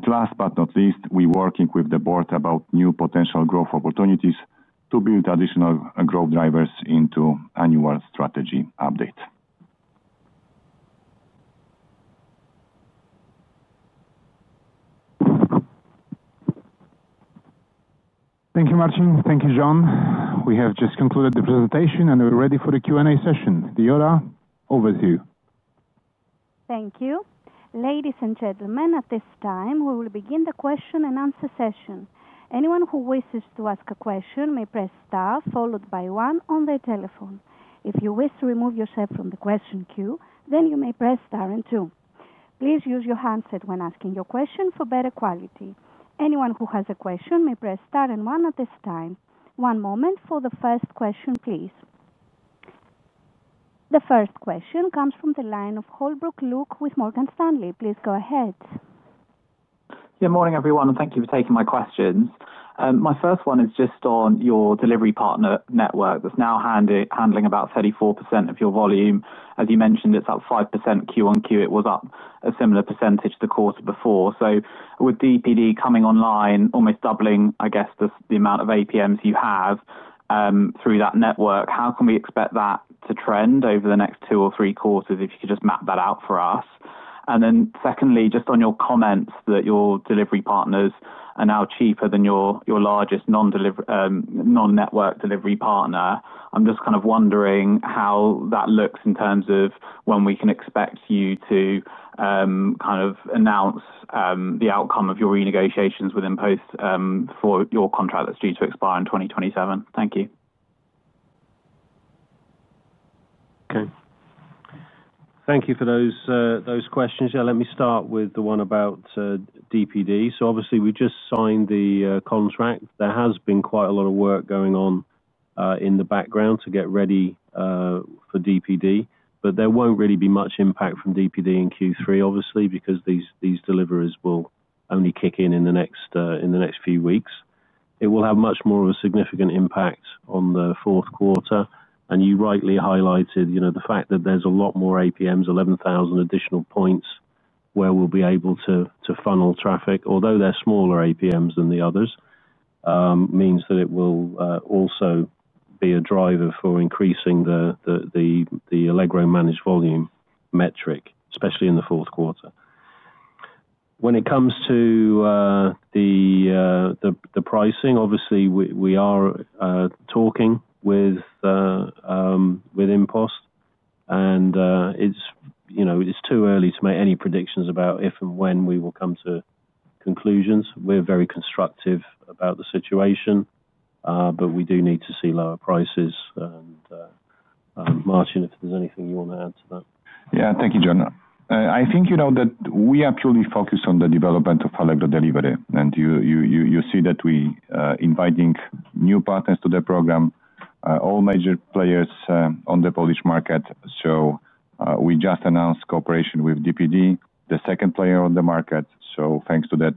Last but not least, we're working with the board about new potential growth opportunities to build additional growth drivers into annual strategy updates. Thank you, Marcin. Thank you, Jon. We have just concluded the presentation, and we're ready for the Q&A session. [Dioda], over to you. Thank you. Ladies and gentlemen, at this time, we will begin the question and answer session. Anyone who wishes to ask a question may press star followed by one on their telephone. If you wish to remove yourself from the question queue, then you may press star and two. Please use your handset when asking your question for better quality. Anyone who has a question may press star and one at this time. One moment for the first question, please. The first question comes from the line of Holbrook, Luke with Morgan Stanley. Please go ahead. Good morning, everyone, and thank you for taking my question. My first one is just on your delivery partner network that's now handling about 34% of your volume. As you mentioned, it's up 5% QoQ. It was up a similar percentage the quarter before. With DPD coming online, almost doubling, I guess, the amount of APMs you have through that network, how can we expect that to trend over the next two or three quarters if you could just map that out for us? Secondly, just on your comments that your delivery partners are now cheaper than your largest non-network delivery partner, I'm just kind of wondering how that looks in terms of when we can expect you to kind of announce the outcome of your renegotiations with InPost for your contract that's due to expire in 2027. Thank you. Okay. Thank you for those questions. Let me start with the one about DPD. Obviously, we just signed the contract. There has been quite a lot of work going on in the background to get ready for DPD, but there won't really be much impact from DPD in Q3, obviously, because these deliveries will only kick in in the next few weeks. It will have much more of a significant impact on the fourth quarter, and you rightly highlighted the fact that there's a lot more APMs, 11,000 additional points, where we'll be able to funnel traffic. Although they're smaller APMs than the others, it means that it will also be a driver for increasing the Allegro managed volume metric, especially in the fourth quarter. When it comes to the pricing, obviously, we are talking with InPost, and it's too early to make any predictions about if and when we will come to conclusions. We're very constructive about the situation, but we do need to see lower prices. Marcin, if there's anything you want to add to that. Yeah, thank you, Jon. I think you know that we are truly focused on the development of Allegro Delivery, and you see that we are inviting new partners to the program, all major players on the Polish market. We just announced cooperation with DPD, the second player on the market. Thanks to that,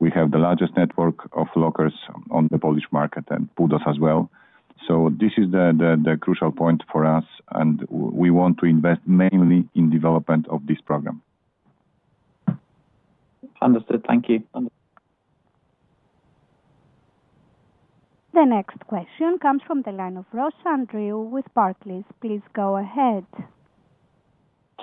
we have the largest network of lockers on the Polish market and PUDOs as well. This is the crucial point for us, and we want to invest mainly in the development of this program. Understood. Thank you. The next question comes from the line of Ross, Andrew with Barclays. Please go ahead.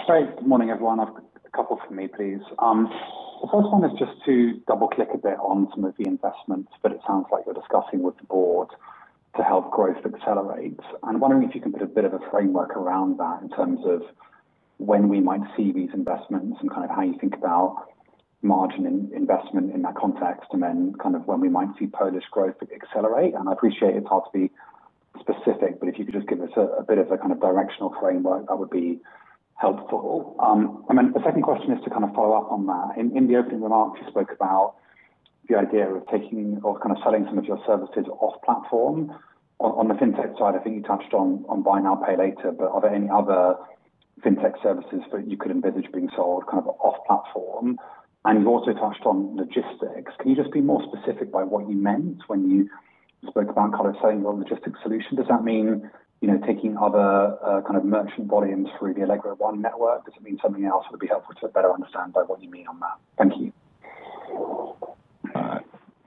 Good morning everyone. I've got a couple of things, please. The first one is just to double-click a bit on some of the investments that it sounds like we're discussing with the board to help growth accelerate. I'm wondering if you can put a bit of a framework around that in terms of when we might see these investments and kind of how you think about margin investment in that context, and then kind of when we might see Polish growth accelerate. I appreciate it's hard to be specific, but if you could just give us a bit of a kind of directional framework, that would be helpful. The second question is to kind of follow up on that. In the opening remarks, you spoke about the idea of taking or kind of selling some of your services off-platform. On the fintech side, I think you touched on BNPL, but are there any other fintech services that you could envisage being sold kind of off-platform? You also touched on logistics. Can you just be more specific by what you meant when you spoke about kind of selling the logistics solution? Does that mean taking other kind of merchant volumes through the Allegro One network? Does it mean something else? It would be helpful to better understand by what you mean on that. Thank you.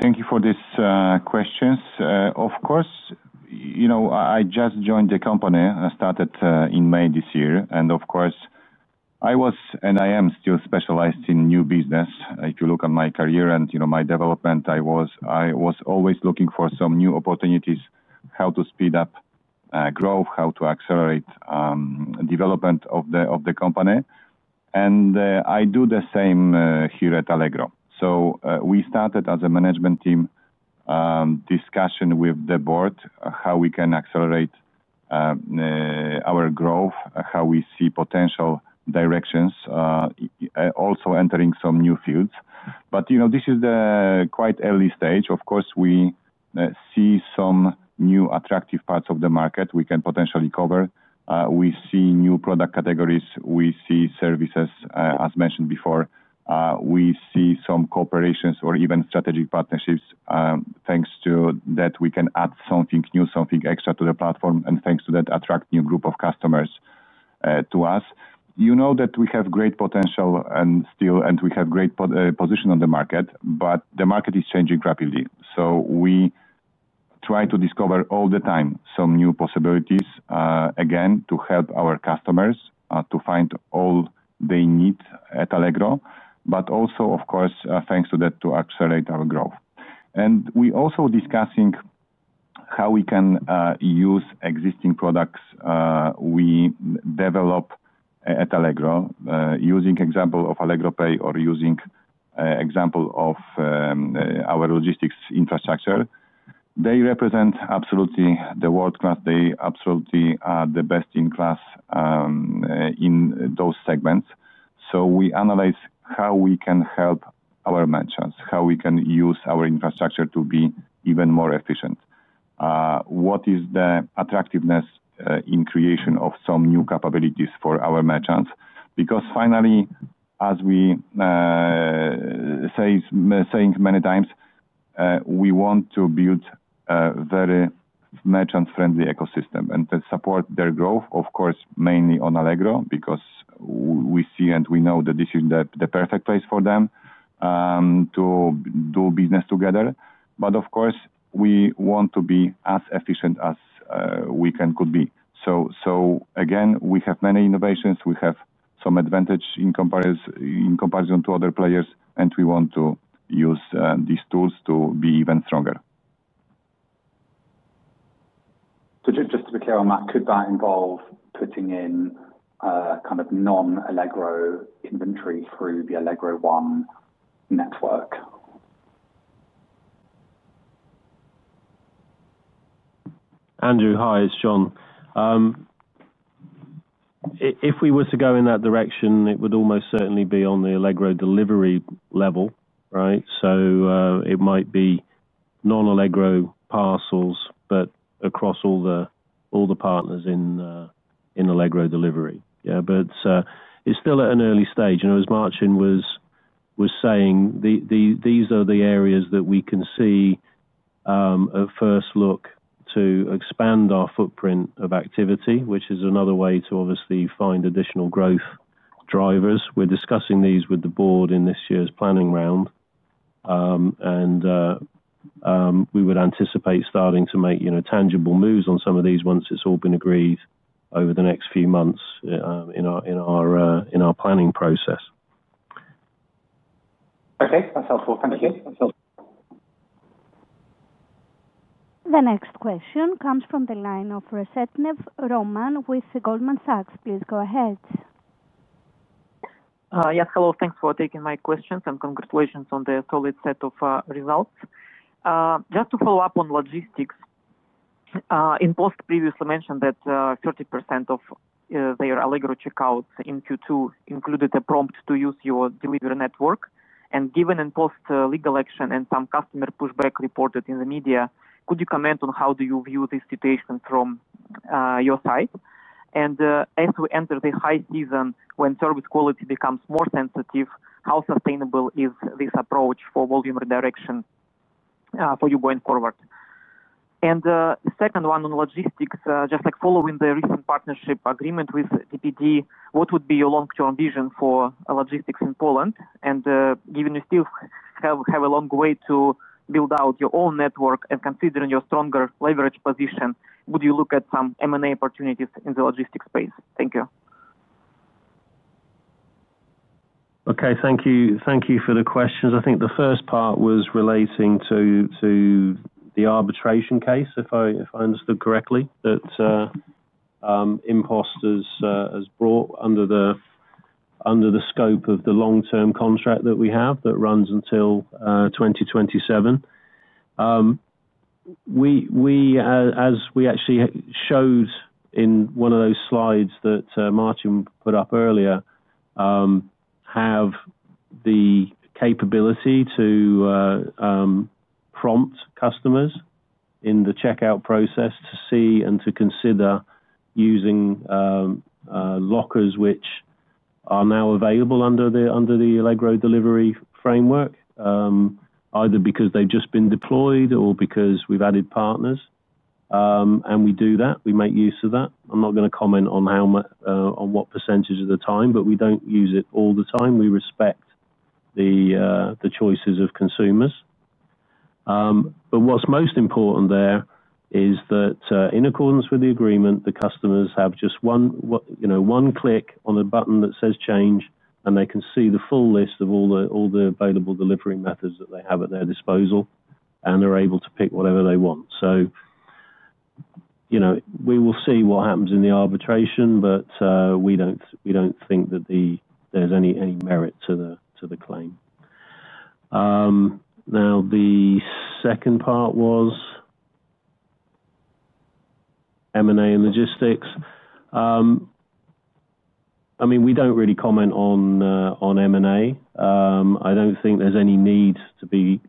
Thank you for these questions. Of course, you know I just joined the company. I started in May this year, and of course, I was and I am still specialized in new business. If you look at my career and you know my development, I was always looking for some new opportunities, how to speed up growth, how to accelerate development of the company. I do the same here at Allegro. We started as a management team discussion with the board how we can accelerate our growth, how we see potential directions, also entering some new fields. This is the quite early stage. Of course, we see some new attractive parts of the market we can potentially cover. We see new product categories. We see services, as mentioned before. We see some cooperations or even strategic partnerships. Thanks to that, we can add something new, something extra to the platform, and thanks to that, attract a new group of customers to us. You know that we have great potential and still, and we have a great position on the market, but the market is changing rapidly. We try to discover all the time some new possibilities, again, to help our customers to find all they need at Allegro, but also, of course, thanks to that, to accelerate our growth. We're also discussing how we can use existing products we develop at Allegro, using the example of Allegro Pay or using the example of our logistics infrastructure. They represent absolutely the world class. They absolutely are the best in class in those segments. We analyze how we can help our merchants, how we can use our infrastructure to be even more efficient. What is the attractiveness in creation of some new capabilities for our merchants? Because finally, as we say many times, we want to build a very merchant-friendly ecosystem and to support their growth, of course, mainly on Allegro because we see and we know that this is the perfect place for them to do business together. We want to be as efficient as we can be. We have many innovations. We have some advantage in comparison to other players, and we want to use these tools to be even stronger. Just to be clear on that, could that involve putting in kind of non-Allegro inventory through the Allegro One network? Hi, it's Jon. If we were to go in that direction, it would almost certainly be on the Allegro Delivery level, right? It might be non-Allegro parcels, but across all the partners in Allegro Delivery. It's still at an early stage. As Marcin was saying, these are the areas that we can see a first look to expand our footprint of activity, which is another way to obviously find additional growth drivers. We're discussing these with the board in this year's planning round, and we would anticipate starting to make tangible moves on some of these once it's all been agreed over the next few months in our planning process. Okay, that's helpful. Thank you. The next question comes from the line of Reshetnev, Roman with Goldman Sachs. Please go ahead. Yes, hello. Thanks for taking my questions and congratulations on the solid set of results. Just to follow up on logistics, InPost previously mentioned that 30% of their Allegro checkouts in Q2 included a prompt to use your delivery network. Given InPost's legal action and some customer pushback reported in the media, could you comment on how you view this situation from your side? As we enter the high season when service quality becomes more sensitive, how sustainable is this approach for volume redirection for you going forward? The second one on logistics, following the recent partnership agreement with DPD, what would be your long-term vision for logistics in Poland? Given you still have a long way to build out your own network and considering your stronger leverage position, would you look at some M&A opportunities in the logistics space? Thank you. Okay, thank you. Thank you for the questions. I think the first part was relating to the arbitration case, if I understood correctly, that InPost has brought under the scope of the long-term contract that we have that runs until 2027. As we actually showed in one of those slides that Marcin put up earlier, we have the capability to prompt customers in the checkout process to see and to consider using lockers which are now available under the Allegro Delivery framework, either because they've just been deployed or because we've added partners. We do that. We make use of that. I'm not going to comment on what percentage of the time, but we don't use it all the time. We respect the choices of consumers. What's most important there is that in accordance with the agreement, the customers have just one click on the button that says change, and they can see the full list of all the available delivery methods that they have at their disposal, and they're able to pick whatever they want. We will see what happens in the arbitration, but we don't think that there's any merit to the claim. The second part was M&A and logistics. We don't really comment on M&A. I don't think there's any need to be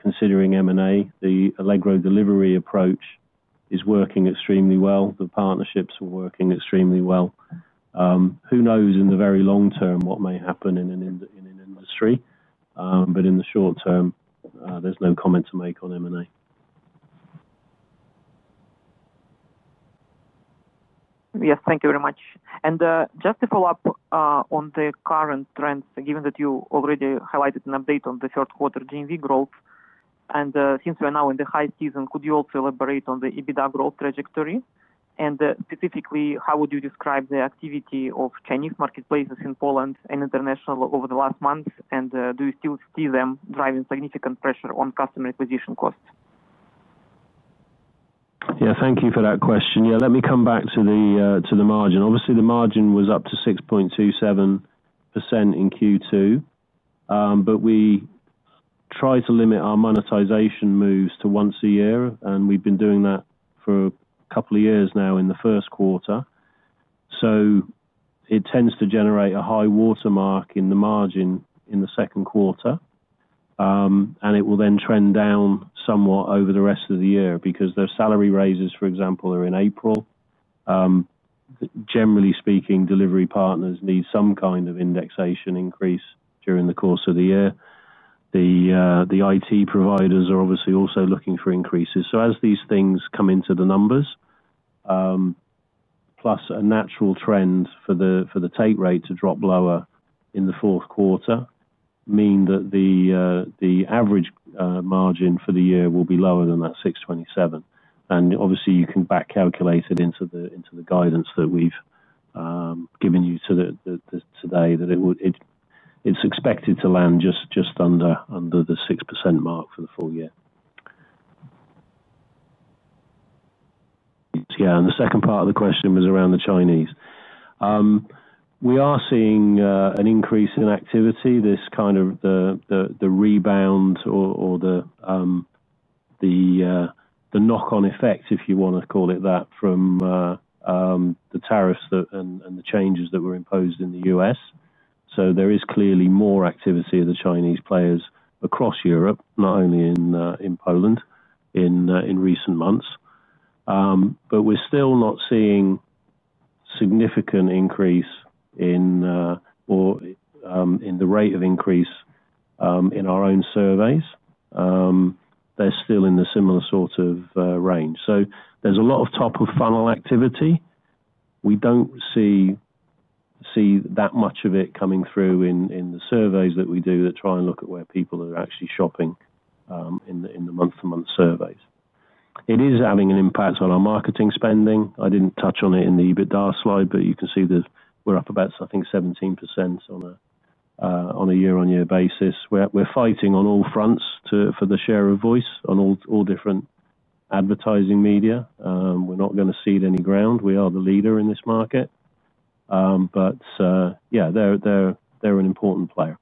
considering M&A. The Allegro Delivery approach is working extremely well. The partnerships are working extremely well. Who knows in the very long term what may happen in an industry, but in the short term, there's no comment to make on M&A. Yes, thank you very much. Just to follow up on the current trends, given that you already highlighted an update on the third quarter GMV growth, and since we are now in the high season, could you also elaborate on the EBITDA growth trajectory? Specifically, how would you describe the activity of Chinese marketplaces in Poland and internationally over the last month, and do you still see them driving significant pressure on customer acquisition costs? Yeah, thank you for that question. Let me come back to the margin. Obviously, the margin was up to 6.27% in Q2, but we try to limit our monetization moves to once a year, and we've been doing that for a couple of years now in the first quarter. It tends to generate a high watermark in the margin in the second quarter, and it will then trend down somewhat over the rest of the year because those salary raises, for example, are in April. Generally speaking, delivery partners need some kind of indexation increase during the course of the year. The IT providers are obviously also looking for increases. As these things come into the numbers, plus a natural trend for the take rate to drop lower in the fourth quarter, it means that the average margin for the year will be lower than that 6.27%. Obviously, you can back calculate it into the guidance that we've given you today that it's expected to land just under the 6% mark for the full year. The second part of the question was around the Chinese. We are seeing an increase in activity, this kind of rebound or the knock-on effect, if you want to call it that, from the tariffs and the changes that were imposed in the U.S. There is clearly more activity of the Chinese players across Europe, not only in Poland, in recent months. We're still not seeing a significant increase in the rate of increase in our own surveys. They're still in the similar sort of range. There's a lot of top-of-funnel activity. We don't see that much of it coming through in the surveys that we do that try and look at where people are actually shopping in the month-to-month surveys. It is having an impact on our marketing spending. I didn't touch on it in the EBITDA slide, but you can see that we're up about, I think, 17% on a year-on-year basis. We're fighting on all fronts for the share of voice on all different advertising media. We're not going to cede any ground. We are the leader in this market. They're an important player.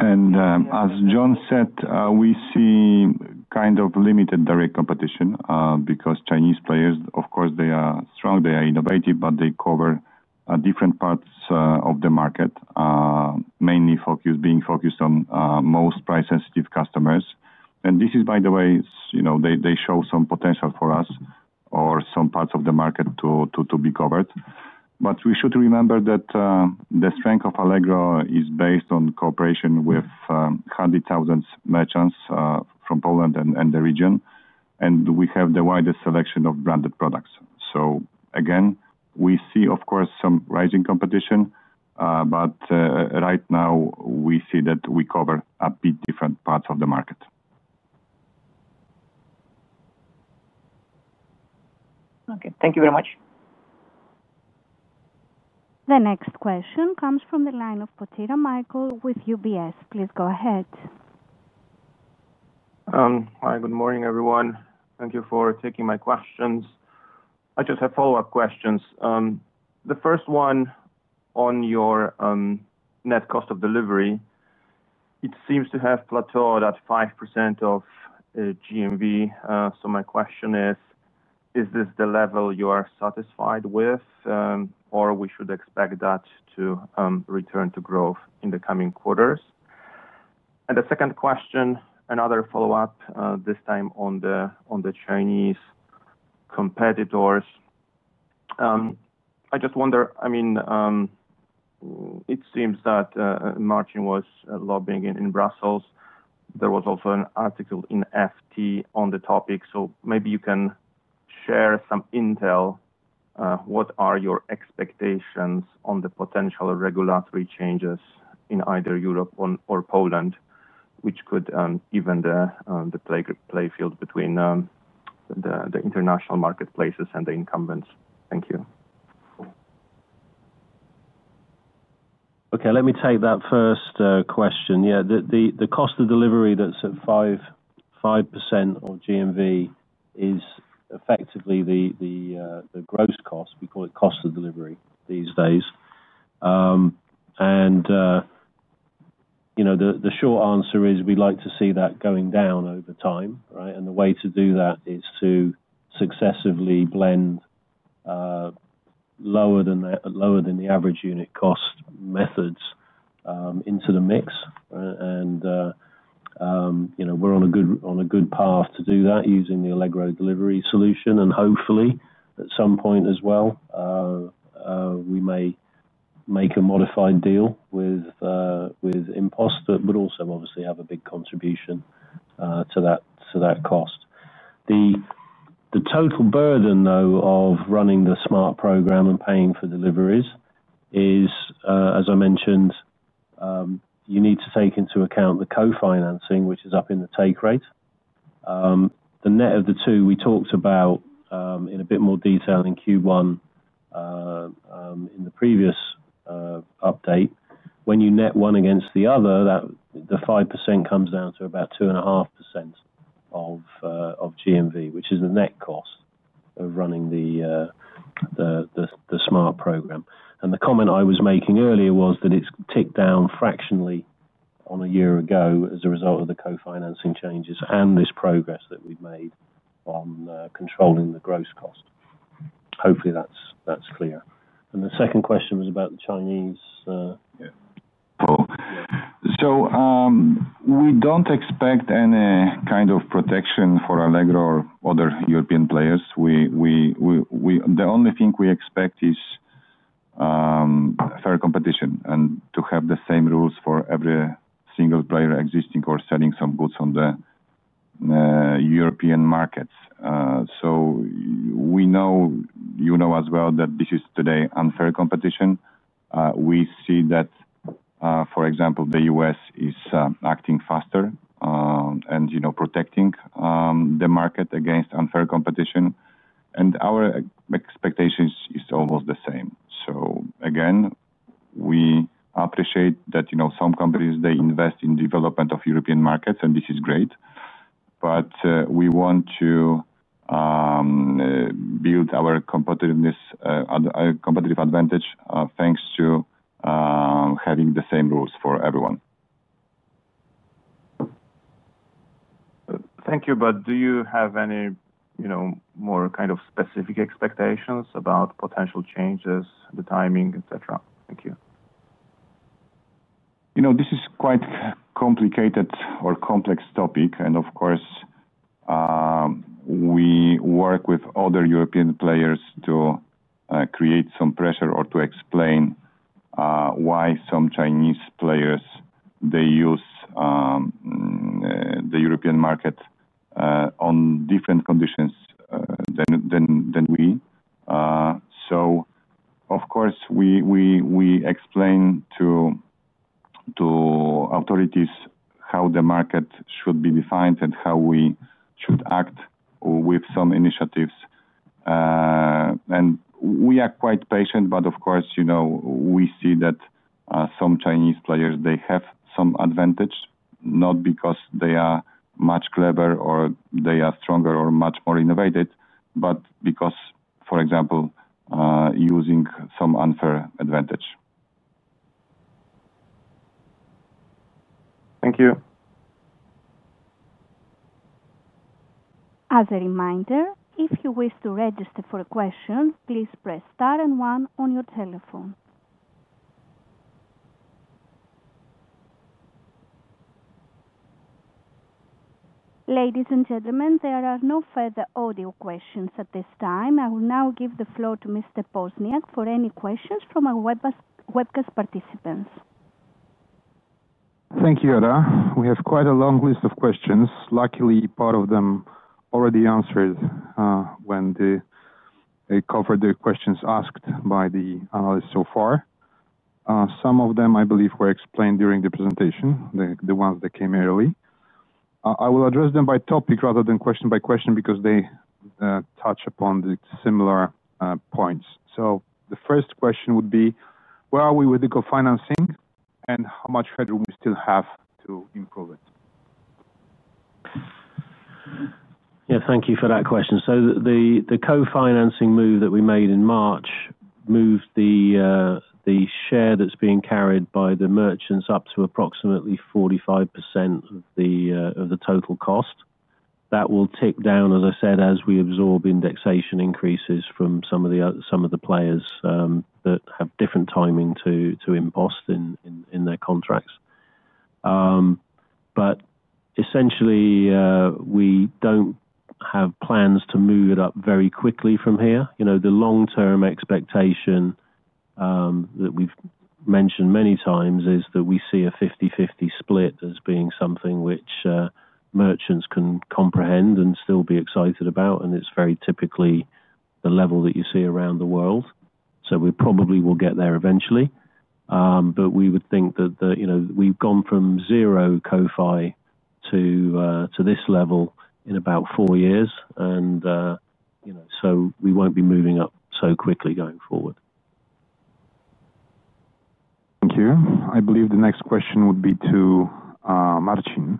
As Jon said, we see kind of limited direct competition because Chinese players, of course, they are strong, they are innovative, but they cover different parts of the market, mainly being focused on most price-sensitive customers. This is, by the way, they show some potential for us or some parts of the market to be covered. We should remember that the strength of Allegro is based on cooperation with hundreds of thousands of merchants from Poland and the region, and we have the widest selection of branded products. We see, of course, some rising competition, but right now we see that we cover a bit different parts of the market. Okay, thank you very much. The next question comes from the line of [Briest, Michael] with UBS. Please go ahead. Hi, good morning everyone. Thank you for taking my questions. I just have follow-up questions. The first one on your net cost of delivery, it seems to have plateaued at 5% of GMV. My question is, is this the level you are satisfied with, or should we expect that to return to growth in the coming quarters? The second question, another follow-up, this time on the Chinese competitors. I just wonder, I mean, it seems that Marcin was lobbying in Brussels. There was also an article in FT on the topic, so maybe you can share some intel. What are your expectations on the potential regulatory changes in either Europe or Poland, which could even the playing field between the international marketplaces and the incumbents? Thank you. Okay, let me take that first question. The cost of delivery that's at 5% of GMV is effectively the gross cost. We call it cost of delivery these days. The short answer is we'd like to see that going down over time, right? The way to do that is to successively blend lower than the average unit cost methods into the mix. We're on a good path to do that using the Allegro Delivery solution, and hopefully, at some point as well, we may make a modified deal with InPost, but also obviously have a big contribution to that cost. The total burden, though, of running the Smart! loyalty program and paying for deliveries is, as I mentioned, you need to take into account the co-financing, which is up in the take rate. The net of the two, we talked about in a bit more detail in Q1 in the previous update. When you net one against the other, the 5% comes down to about 2.5% of GMV, which is the net cost of running the Smart! loyalty program. The comment I was making earlier was that it's ticked down fractionally on a year ago as a result of the co-financing changes and this progress that we've made on controlling the gross cost. Hopefully, that's clear. The second question was about the Chinese. Yeah. We don't expect any kind of protection for Allegro or other European players. The only thing we expect is fair competition and to have the same rules for every single player existing or selling some goods on the European markets. We know, you know as well, that this is today unfair competition. We see that, for example, the U.S. is acting faster and protecting the market against unfair competition. Our expectation is almost the same. We appreciate that some companies invest in the development of European markets, and this is great. We want to build our competitive advantage thanks to having the same rules for everyone. Thank you, but do you have any more specific expectations about potential changes, the timing, etc.? Thank you. This is quite a complicated or complex topic, and of course, we work with other European players to create some pressure or to explain why some Chinese players use the European market on different conditions than we. Of course, we explain to authorities how the market should be defined and how we should act with some initiatives. We are quite patient, but of course, we see that some Chinese players have some advantage, not because they are much clever or they are stronger or much more innovative, but because, for example, they are using some unfair advantage. Thank you. As a reminder, if you wish to register for a question, please press star and one on your telephone. Ladies and gentlemen, there are no further audio questions at this time. I will now give the floor to Mr. Poźniak for any questions from our webcast participants. Thank you. [AUDIO DISTORTION] We have quite a long list of questions. Luckily, part of them already answered when they covered the questions asked by the analysts so far. Some of them, I believe, were explained during the presentation, the ones that came early. I will address them by topic rather than question by question because they touch upon the similar points. The first question would be, where are we with the co-financing and how much headroom we still have to improve it? Yeah. Thank you for that question. The co-financing move that we made in March moved the share that's being carried by the merchants up to approximately 45% of the total cost. That will tick down, as I said, as we absorb indexation increases from some of the players that have different timing to InPost in their contracts. Essentially, we don't have plans to move it up very quickly from here. The long-term expectation that we've mentioned many times is that we see a 50/50 split as being something which merchants can comprehend and still be excited about, and it's very typically the level that you see around the world. We probably will get there eventually, but we would think that, you know, we've gone from zero co-fi to this level in about four years, and, you know, we won't be moving up so quickly going forward. Thank you. I believe the next question would be to Marcin,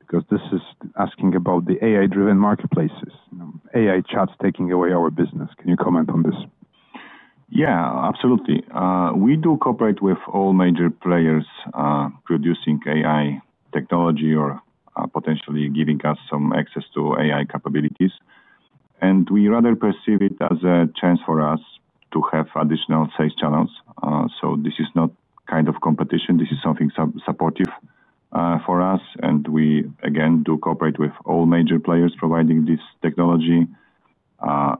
because this is asking about the AI-driven marketplaces. You know, AI chat's taking away our business. Can you comment on this? Yeah, absolutely. We do cooperate with all major players, producing AI technology or potentially giving us some access to AI capabilities. We rather perceive it as a chance for us to have additional sales channels. This is not kind of competition. This is something supportive for us. We, again, do cooperate with all major players providing this technology.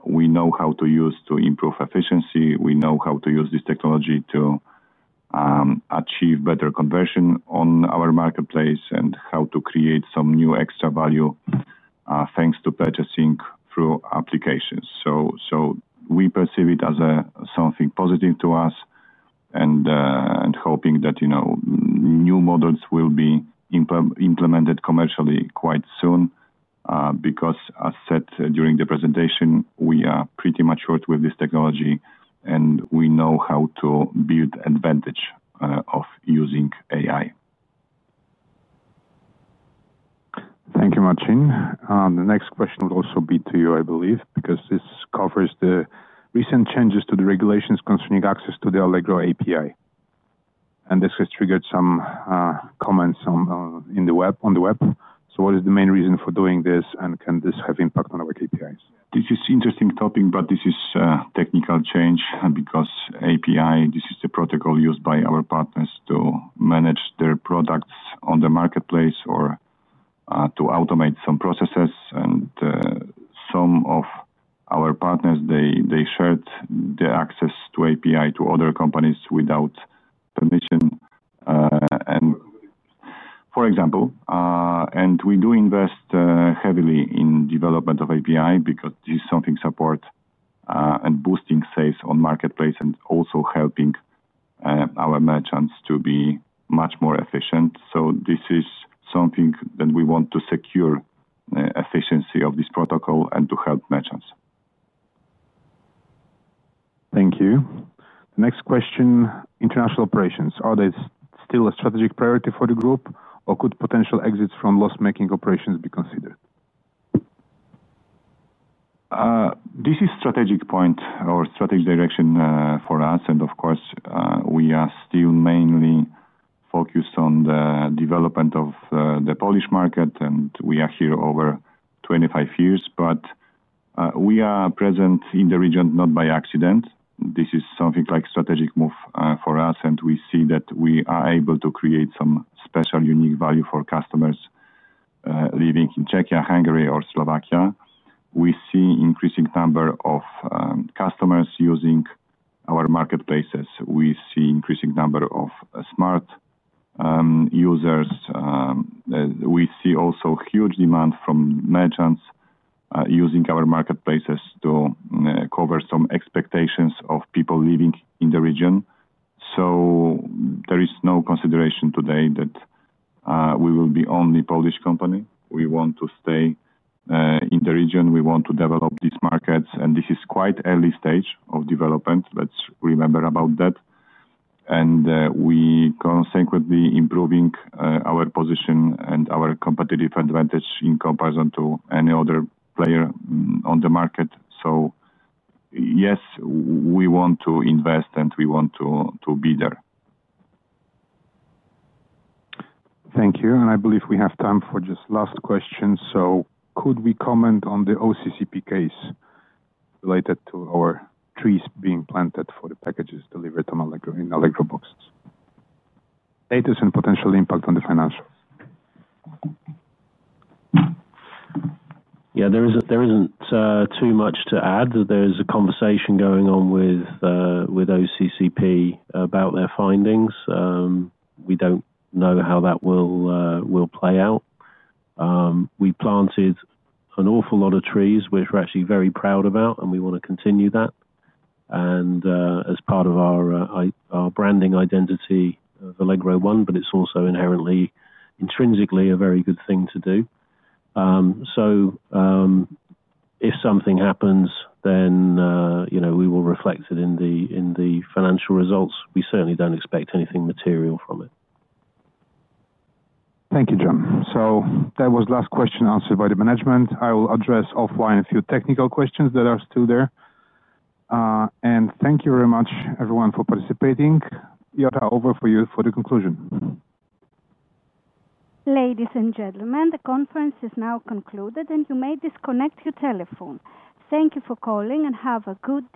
We know how to use it to improve efficiency. We know how to use this technology to achieve better conversion on our marketplace and how to create some new extra value, thanks to purchasing through applications. We perceive it as something positive to us and hope that new models will be implemented commercially quite soon, because as said during the presentation, we are pretty matured with this technology and we know how to build an advantage of using AI. Thank you, Marcin. The next question would also be to you, I believe, because this covers the recent changes to the regulations concerning access to the Allegro API. This has triggered some comments on the web. What is the main reason for doing this, and can this have impact on our KPIs? This is an interesting topic, but this is a technical change because API is the protocol used by our partners to manage their products on the marketplace or to automate some processes. Some of our partners shared the access to API to other companies without permission. For example, we do invest heavily in the development of API because this is something that supports and boosts sales on the marketplace and also helps our merchants to be much more efficient. This is something that we want to secure, the efficiency of this protocol and to help merchants. Thank you. The next question, international operations, are they still a strategic priority for the group or could potential exits from loss-making operations be considered? This is a strategic point or strategic direction for us. Of course, we are still mainly focused on the development of the Polish market. We are here over 25 years, but we are present in the region not by accident. This is something like a strategic move for us. We see that we are able to create some special unique value for customers living in Czechia, Hungary, or Slovakia. We see an increasing number of customers using our marketplaces and an increasing number of Smart! users. We also see huge demand from merchants using our marketplaces to cover some expectations of people living in the region. There is no consideration today that we will be only a Polish company. We want to stay in the region and we want to develop these markets. This is quite an early stage of development. Let's remember about that. We are consequently improving our position and our competitive advantage in comparison to any other player on the market. Yes, we want to invest and we want to be there. Thank you. I believe we have time for just last questions. Could we comment on the OCCP case related to our trees being planted for the packages delivered in Allegro boxes? Status and potential impact on the financial. Yeah, there isn't too much to add. There's a conversation going on with OCCP about their findings. We don't know how that will play out. We planted an awful lot of trees, which we're actually very proud about, and we want to continue that. As part of our branding identity, Allegro won, but it's also inherently, intrinsically a very good thing to do. If something happens, then you know we will reflect it in the financial results. We certainly don't expect anything material from it. Thank you, Jon. That was the last question answered by the management. I will address offline a few technical questions that are still there. Thank you very much, everyone, for participating. [AUDIO DISTORTION] over for you for the conclusion. Ladies and gentlemen, the conference is now concluded and you may disconnect your telephone. Thank you for calling and have a good day.